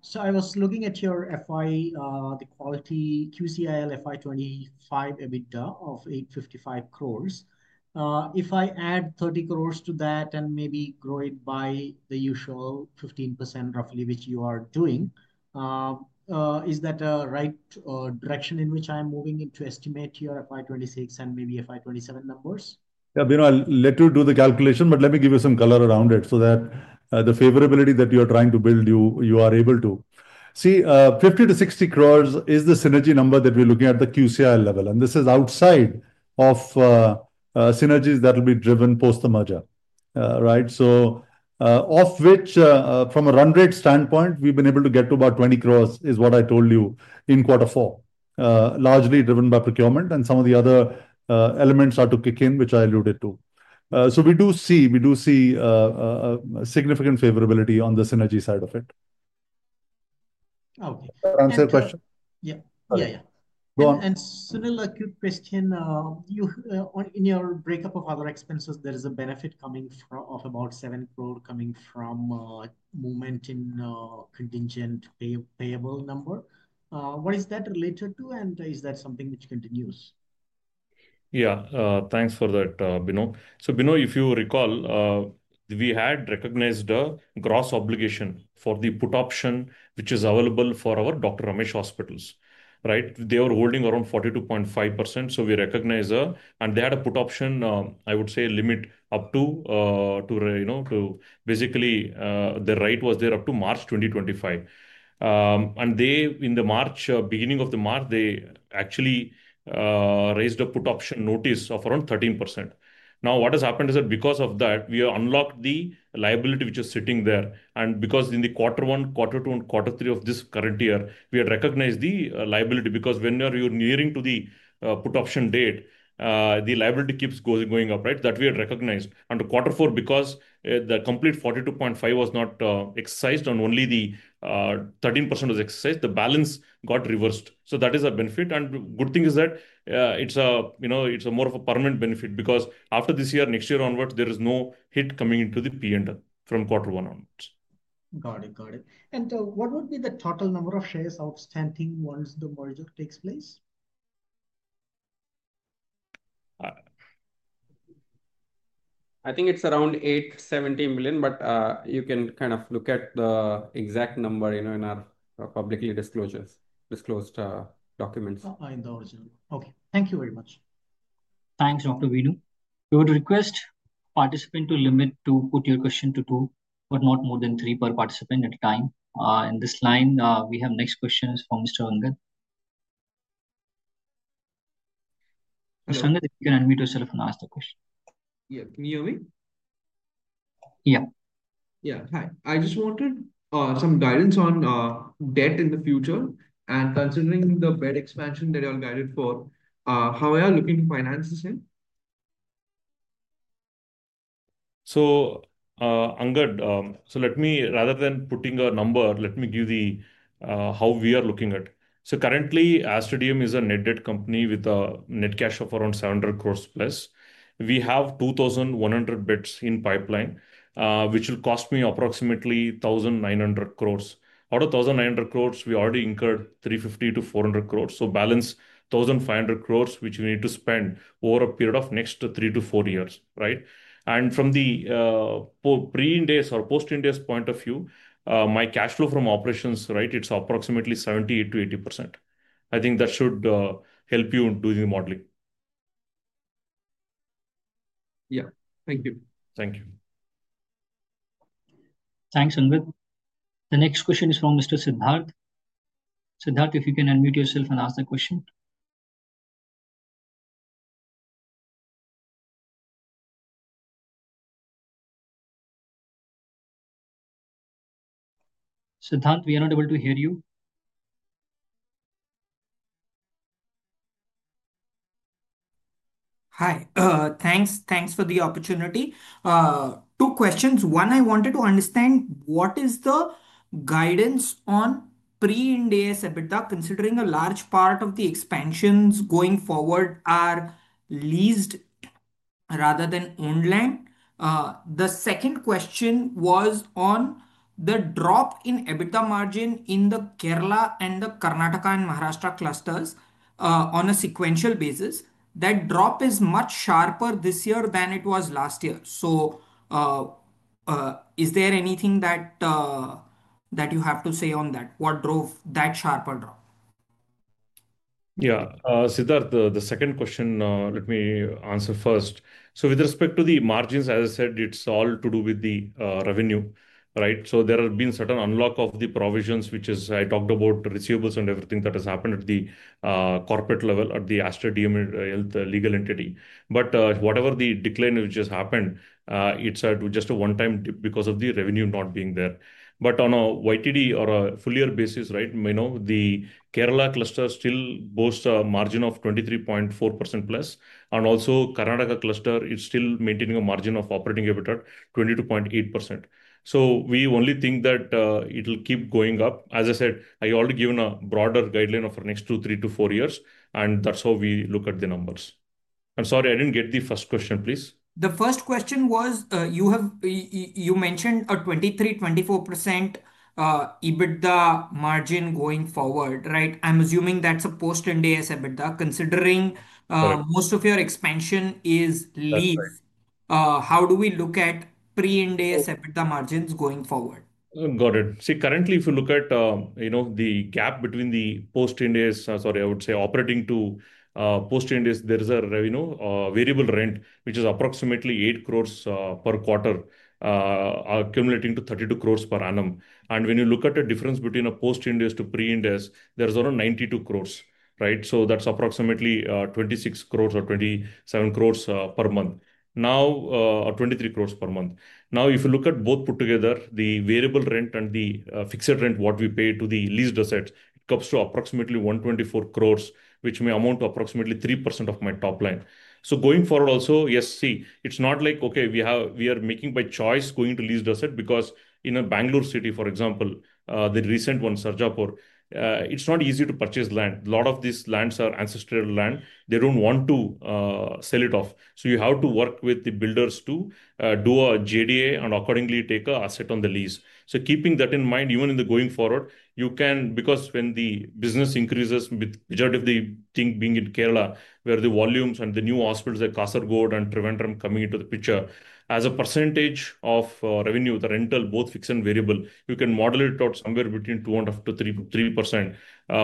S12: So I was looking at your FY, the QCIL FY 2025 EBITDA of 855 crore. If I add 30 crore to that and maybe grow it by the usual 15% roughly, which you are doing, is that a right direction in which I'm moving into estimate your FY 2026 and maybe FY 2027 numbers?
S5: Yeah, let you do the calculation, but let me give you some color around it so that the favorability that you are trying to build, you are able to. See, 50-60 crore is the synergy number that we're looking at the QCIL level. This is outside of synergies that will be driven post the merger, right? Of which, from a run rate standpoint, we've been able to get to about 20 crore, is what I told you in quarter four, largely driven by procurement. Some of the other elements are to kick in, which I alluded to. We do see significant favorability on the synergy side of it.
S12: Okay.
S5: Answer your question.
S12: Yeah, yeah, yeah.
S5: Go on.
S12: Sunil, a quick question. In your breakup of other expenses, there is a benefit coming of about 7 crore coming from movement in contingent payable number. What is that related to? Is that something which continues?
S4: Yeah, thanks for that, Bino. Bino, if you recall, we had recognized a gross obligation for the put option, which is available for our Dr. Ramesh hospitals, right? They were holding around 42.5%. We recognized, and they had a put option, I would say, limit up to basically the right was there up to March 2025. In the beginning of March, they actually raised a put option notice of around 13%. Now, what has happened is that because of that, we unlocked the liability which is sitting there. Because in quarter one, quarter two, and quarter three of this current year, we had recognized the liability because when you're nearing to the put option date, the liability keeps going up, right? That we had recognized. In quarter four, because the complete 42.5% was not exercised and only the 13% was exercised, the balance got reversed. That is a benefit. Good thing is that it's more of a permanent benefit because after this year, next year onwards, there is no hit coming into the P&L from quarter one onwards.
S12: Got it, got it. What would be the total number of shares outstanding once the merger takes place?
S4: I think it's around 870 million, but you can kind of look at the exact number in our publicly disclosed documents.
S12: In the original. Okay. Thank you very much.
S1: Thanks, Dr. Beenu. We would request participants to limit your questions to two, but not more than three per participant at a time. In this line, we have next questions from Mr. Angad. Mr. Angad, if you can unmute yourself and ask the question.
S13: Yeah, can you hear me?
S1: Yeah.
S13: Yeah, hi. I just wanted some guidance on debt in the future. Considering the bed expansion that you are guided for, how are you looking to finance this in?
S4: Angad, let me, rather than putting a number, let me give you how we are looking at it. Currently, Aster DM is a net debt company with a net cash of around 700 crore+. We have 2,100 beds in pipeline, which will cost me approximately 1,900 crore. Out of 1,900 crore, we already incurred 350-400 crore. Balance 1,500 crore, which we need to spend over a period of next three to four years, right? From the pre-ind AS or post-ind AS point of view, my cash flow from operations, right, is approximately 70-80%. I think that should help you do the modeling.
S13: Thank you.
S4: Thank you.
S1: Thanks, Sunil. The next question is from Mr. Siddharth. Siddharth, if you can unmute yourself and ask the question. Siddharth, we are not able to hear you.
S14: Hi, thanks. Thanks for the opportunity. Two questions. One, I wanted to understand what is the guidance on pre-ind AS EBITDA, considering a large part of the expansions going forward are leased rather than owned land. The second question was on the drop in EBITDA margin in the Kerala and the Karnataka and Maharashtra clusters on a sequential basis. That drop is much sharper this year than it was last year. Is there anything that you have to say on that? What drove that sharper drop?
S4: Yeah, Siddharth, the second question, let me answer first. With respect to the margins, as I said, it is all to do with the revenue, right? There has been a certain unlock of the provisions, which is I talked about receivables and everything that has happened at the corporate level at the Aster DM Healthcare legal entity. Whatever the decline which has happened, it's just a one-time because of the revenue not being there. On a YTD or a full year basis, the Kerala cluster still boasts a margin of 23.4%+. Also, the Karnataka cluster is still maintaining a margin of operating EBITDA at 22.8%. We only think that it'll keep going up. As I said, I already given a broader guideline of our next 2, 3, to 4 years. That's how we look at the numbers. I'm sorry, I didn't get the first question, please.
S14: The first question was you mentioned a 23-24% EBITDA margin going forward, right? I'm assuming that's a post-indice EBITDA. Considering most of your expansion is leased, how do we look at pre-indice EBITDA margins going forward?
S4: Got it. See, currently, if you look at the gap between the post-indice, sorry, I would say operating to post-indice, there is a variable rent, which is approximately 8 crore per quarter, accumulating to 32 crore per annum. When you look at the difference between a post-indice to pre-indice, there is around 92 crore, right? That is approximately 26 crore or 27 crore per month, or 23 crore per month. If you look at both put together, the variable rent and the fixed rent, what we pay to the leased assets, it comes to approximately 124 crore, which may amount to approximately 3% of my top line. Going forward also, yes, see, it's not like, okay, we are making by choice going to lease the asset because in Bengaluru city, for example, the recent one, Sarjapur, it's not easy to purchase land. A lot of these lands are ancestral land. They don't want to sell it off. You have to work with the builders to do a JDA and accordingly take an asset on the lease. Keeping that in mind, even going forward, you can, because when the business increases, with regard to the thing being in Kerala, where the volumes and the new hospitals at Kasargod and Trivandrum coming into the picture, as a percentage of revenue, the rental, both fixed and variable, you can model it out somewhere between 2%-3%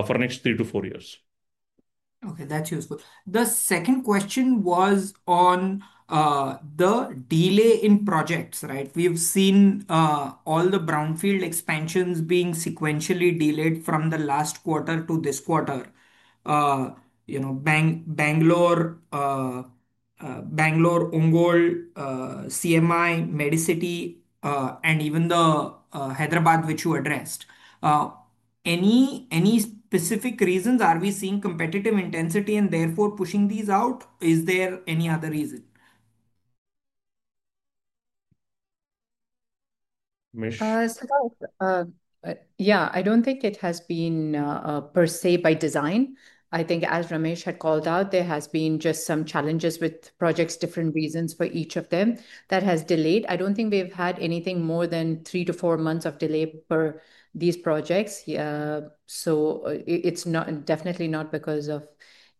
S4: for the next three to four years.
S14: Okay, that's useful. The second question was on the delay in projects, right? We have seen all the brownfield expansions being sequentially delayed from the last quarter to this quarter. Bengaluru, Ongole, CMI, Medcity, and even Hyderabad, which you addressed. Any specific reasons? Are we seeing competitive intensity and therefore pushing these out? Is there any other reason?
S2: Yeah, I do not think it has been per se by design. I think as Ramesh had called out, there have been just some challenges with projects, different reasons for each of them that has delayed. I do not think we have had anything more than three to four months of delay for these projects. It is definitely not because of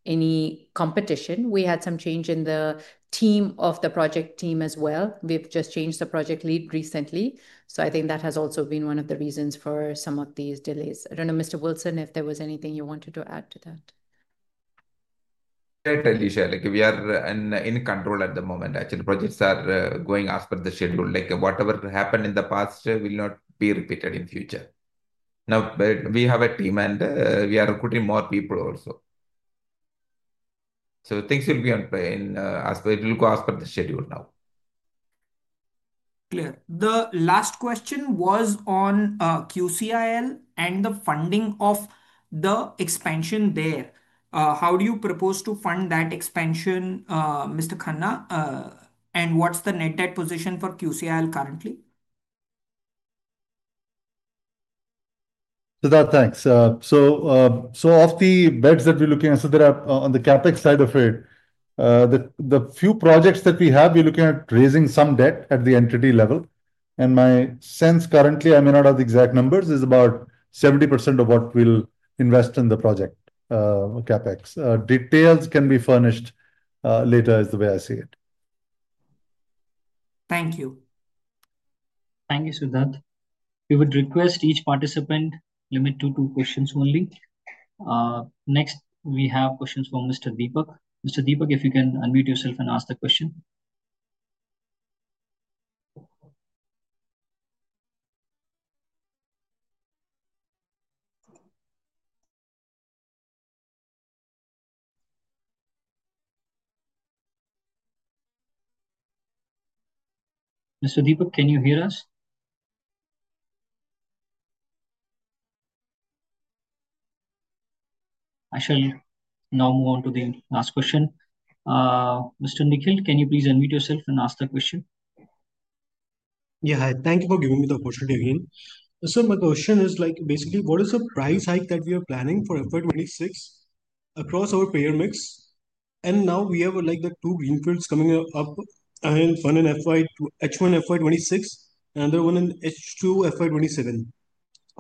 S2: any competition. We had some change in the team of the project team as well. We have just changed the project lead recently. I think that has also been one of the reasons for some of these delays. I don't know, Mr. Wilson, if there was anything you wanted to add to that.
S15: Certainly, Shahril, we are in control at the moment. Actually, projects are going as per the schedule. Whatever happened in the past will not be repeated in the future. Now, we have a team and we are recruiting more people also. Things will be in play. It will go as per the schedule now.
S14: Clear. The last question was on QCIL and the funding of the expansion there. How do you propose to fund that expansion, Mr. Khanna? What's the net debt position for QCIL currently?
S5: Siddharth, thanks. Of the beds that we're looking at, on the CapEx side of it, the few projects that we have, we're looking at raising some debt at the entity level. My sense currently, I may not have the exact numbers, is about 70% of what we'll invest in the project, CapEx. Details can be furnished later is the way I see it.
S14: Thank you.
S1: Thank you, Siddharth. We would request each participant limit to two questions only. Next, we have questions for Mr. Deepak. Mr. Deepak, if you can unmute yourself and ask the question. Mr. Deepak, can you hear us? I shall now move on to the last question. Mr. Nikhil, can you please unmute yourself and ask the question?
S10: Yeah, hi. Thank you for giving me the opportunity again. My question is basically, what is the price hike that we are planning for FY 2026 across our payer mix? Now we have the two greenfields coming up, H1 and FY 2026, another one in H2 FY 2027.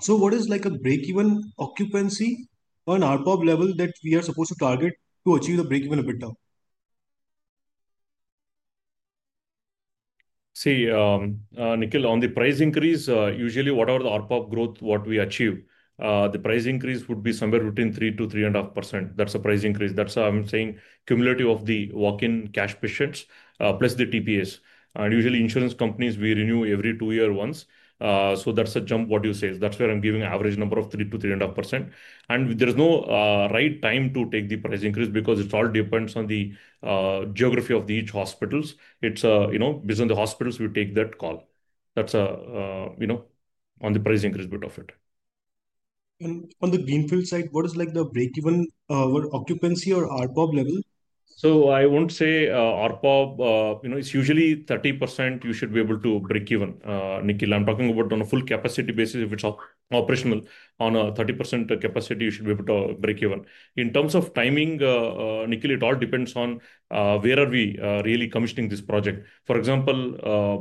S10: What is a break-even occupancy on our RPOP level that we are supposed to target to achieve the break-even of it now?
S4: See, Nikhil, on the price increase, usually whatever the RPOP growth, what we achieve, the price increase would be somewhere between 3%-3.5%. That is a price increase. That is why I am saying cumulative of the walk-in cash patients + the TPS. Usually insurance companies, we renew every two years once. That is a jump, what you say. That is where I am giving an average number of 3%-3.5%. There is no right time to take the price increase because it all depends on the geography of each hospital. It's based on the hospitals we take that call. That's on the price increase bit of it.
S10: On the greenfield side, what is the break-even occupancy or RPOP level?
S4: I won't say RPOP, it's usually 30% you should be able to break even, Nikhil. I'm talking about on a full capacity basis. If it's operational on a 30% capacity, you should be able to break even. In terms of timing, Nikhil, it all depends on where are we really commissioning this project. For example,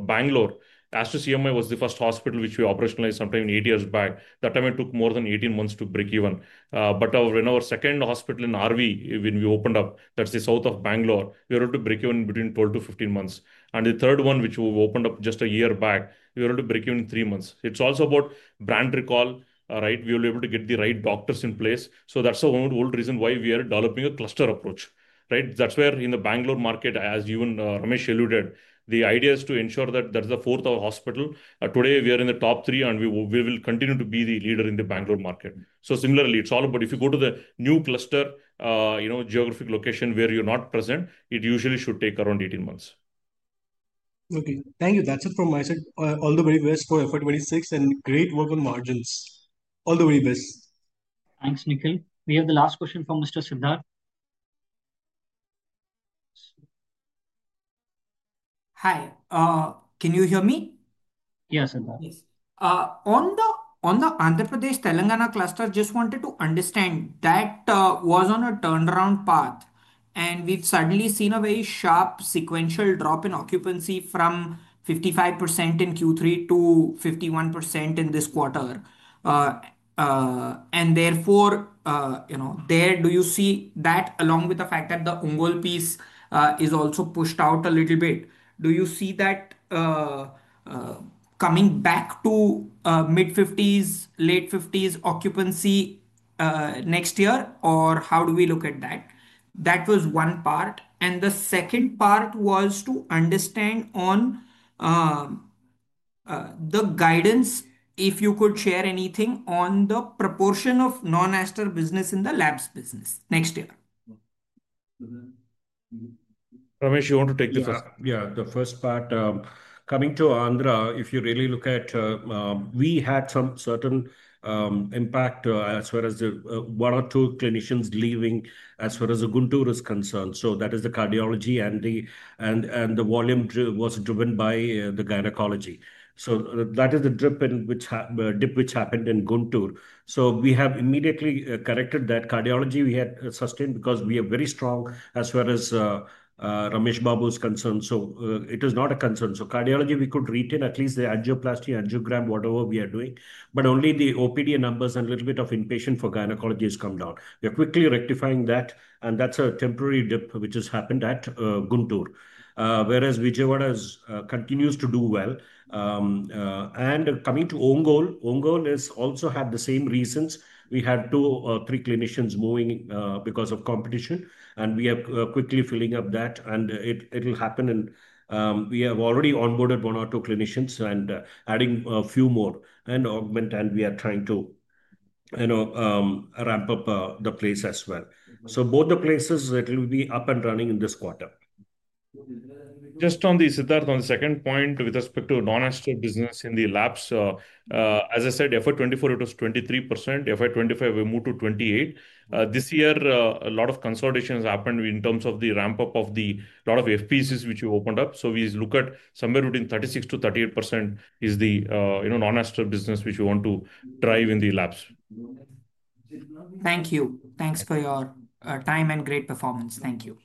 S4: Bengaluru, Aster CMI was the first hospital which we operationalized sometime eight years back. That time it took more than 18 months to break even. When our second hospital in Whitefield, when we opened up, that's the south of Bengaluru, we were able to break even between 12-15 months. The third one, which we opened up just a year back, we were able to break even in three months. It is also about brand recall, right? We will be able to get the right doctors in place. That is the whole reason why we are developing a cluster approach, right? That is where in the Bengaluru market, as even Ramesh alluded, the idea is to ensure that is the fourth hospital. Today we are in the top three and we will continue to be the leader in the Bengaluru market. Similarly, it is all about if you go to the new cluster, geographic location where you are not present, it usually should take around 18 months.
S10: Okay, thank you. That is it from my side. All the very best for FY 2026 and great work on margins. All the very best.
S1: Thanks, Nikhil. We have the last question from Mr. Siddharth.
S14: Hi, can you hear me? Yes, Siddharth. On the Andhra Pradesh-Telangana cluster, just wanted to understand that was on a turnaround path. We have suddenly seen a very sharp sequential drop in occupancy from 55% in Q3 to 51% in this quarter. Therefore, do you see that along with the fact that the Ongole piece is also pushed out a little bit, do you see that coming back to mid-50s, late-50s occupancy next year? How do we look at that? That was one part. The second part was to understand on the guidance, if you could share anything on the proportion of non-Aster business in the labs business next year.
S4: Ramesh, you want to take the first part?
S3: Yeah, the first part. Coming to Andhra, if you really look at, we had some certain impact as far as one or two clinicians leaving as far as Guntur is concerned. That is the cardiology and the volume was driven by the gynecology. That is the dip which happened in Guntur. We have immediately corrected that. Cardiology we had sustained because we are very strong as far as Ramesh Kumar is concerned. It is not a concern. Cardiology, we could retain at least the angioplasty, angiogram, whatever we are doing. Only the OPD numbers and a little bit of inpatient for gynecology has come down. We are quickly rectifying that. That is a temporary dip which has happened at Guntur. Vijayawada continues to do well. Coming to Ongole, Ongole has also had the same reasons. We had two or three clinicians moving because of competition. We are quickly filling up that. It will happen. We have already onboarded one or two clinicians and are adding a few more and augment. We are trying to ramp up the place as well. Both the places will be up and running in this quarter.
S4: Just on the Siddharth, on the second point with respect to non-Aster business in the labs, as I said, FY 2024, it was 23%. FY 2025, we moved to 28%. This year, a lot of consolidations happened in terms of the ramp-up of a lot of FPCs which we opened up. We look at somewhere between 36%-38% as the non-Aster business which we want to drive in the labs.
S14: Thank you. Thanks for your time and great performance. Thank you.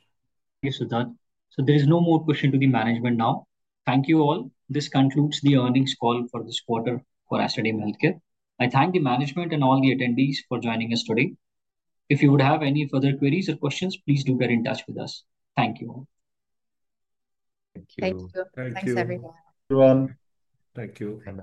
S1: Thank you, Siddharth. There is no more question to the management now. Thank you all. This concludes the earnings call for this quarter for Aster DM Healthcare. I thank the management and all the attendees for joining us today. If you would have any further queries or questions, please do get in touch with us. Thank you all.
S2: Thank you everyone.
S4: Thanks, everyone.
S5: Thank you.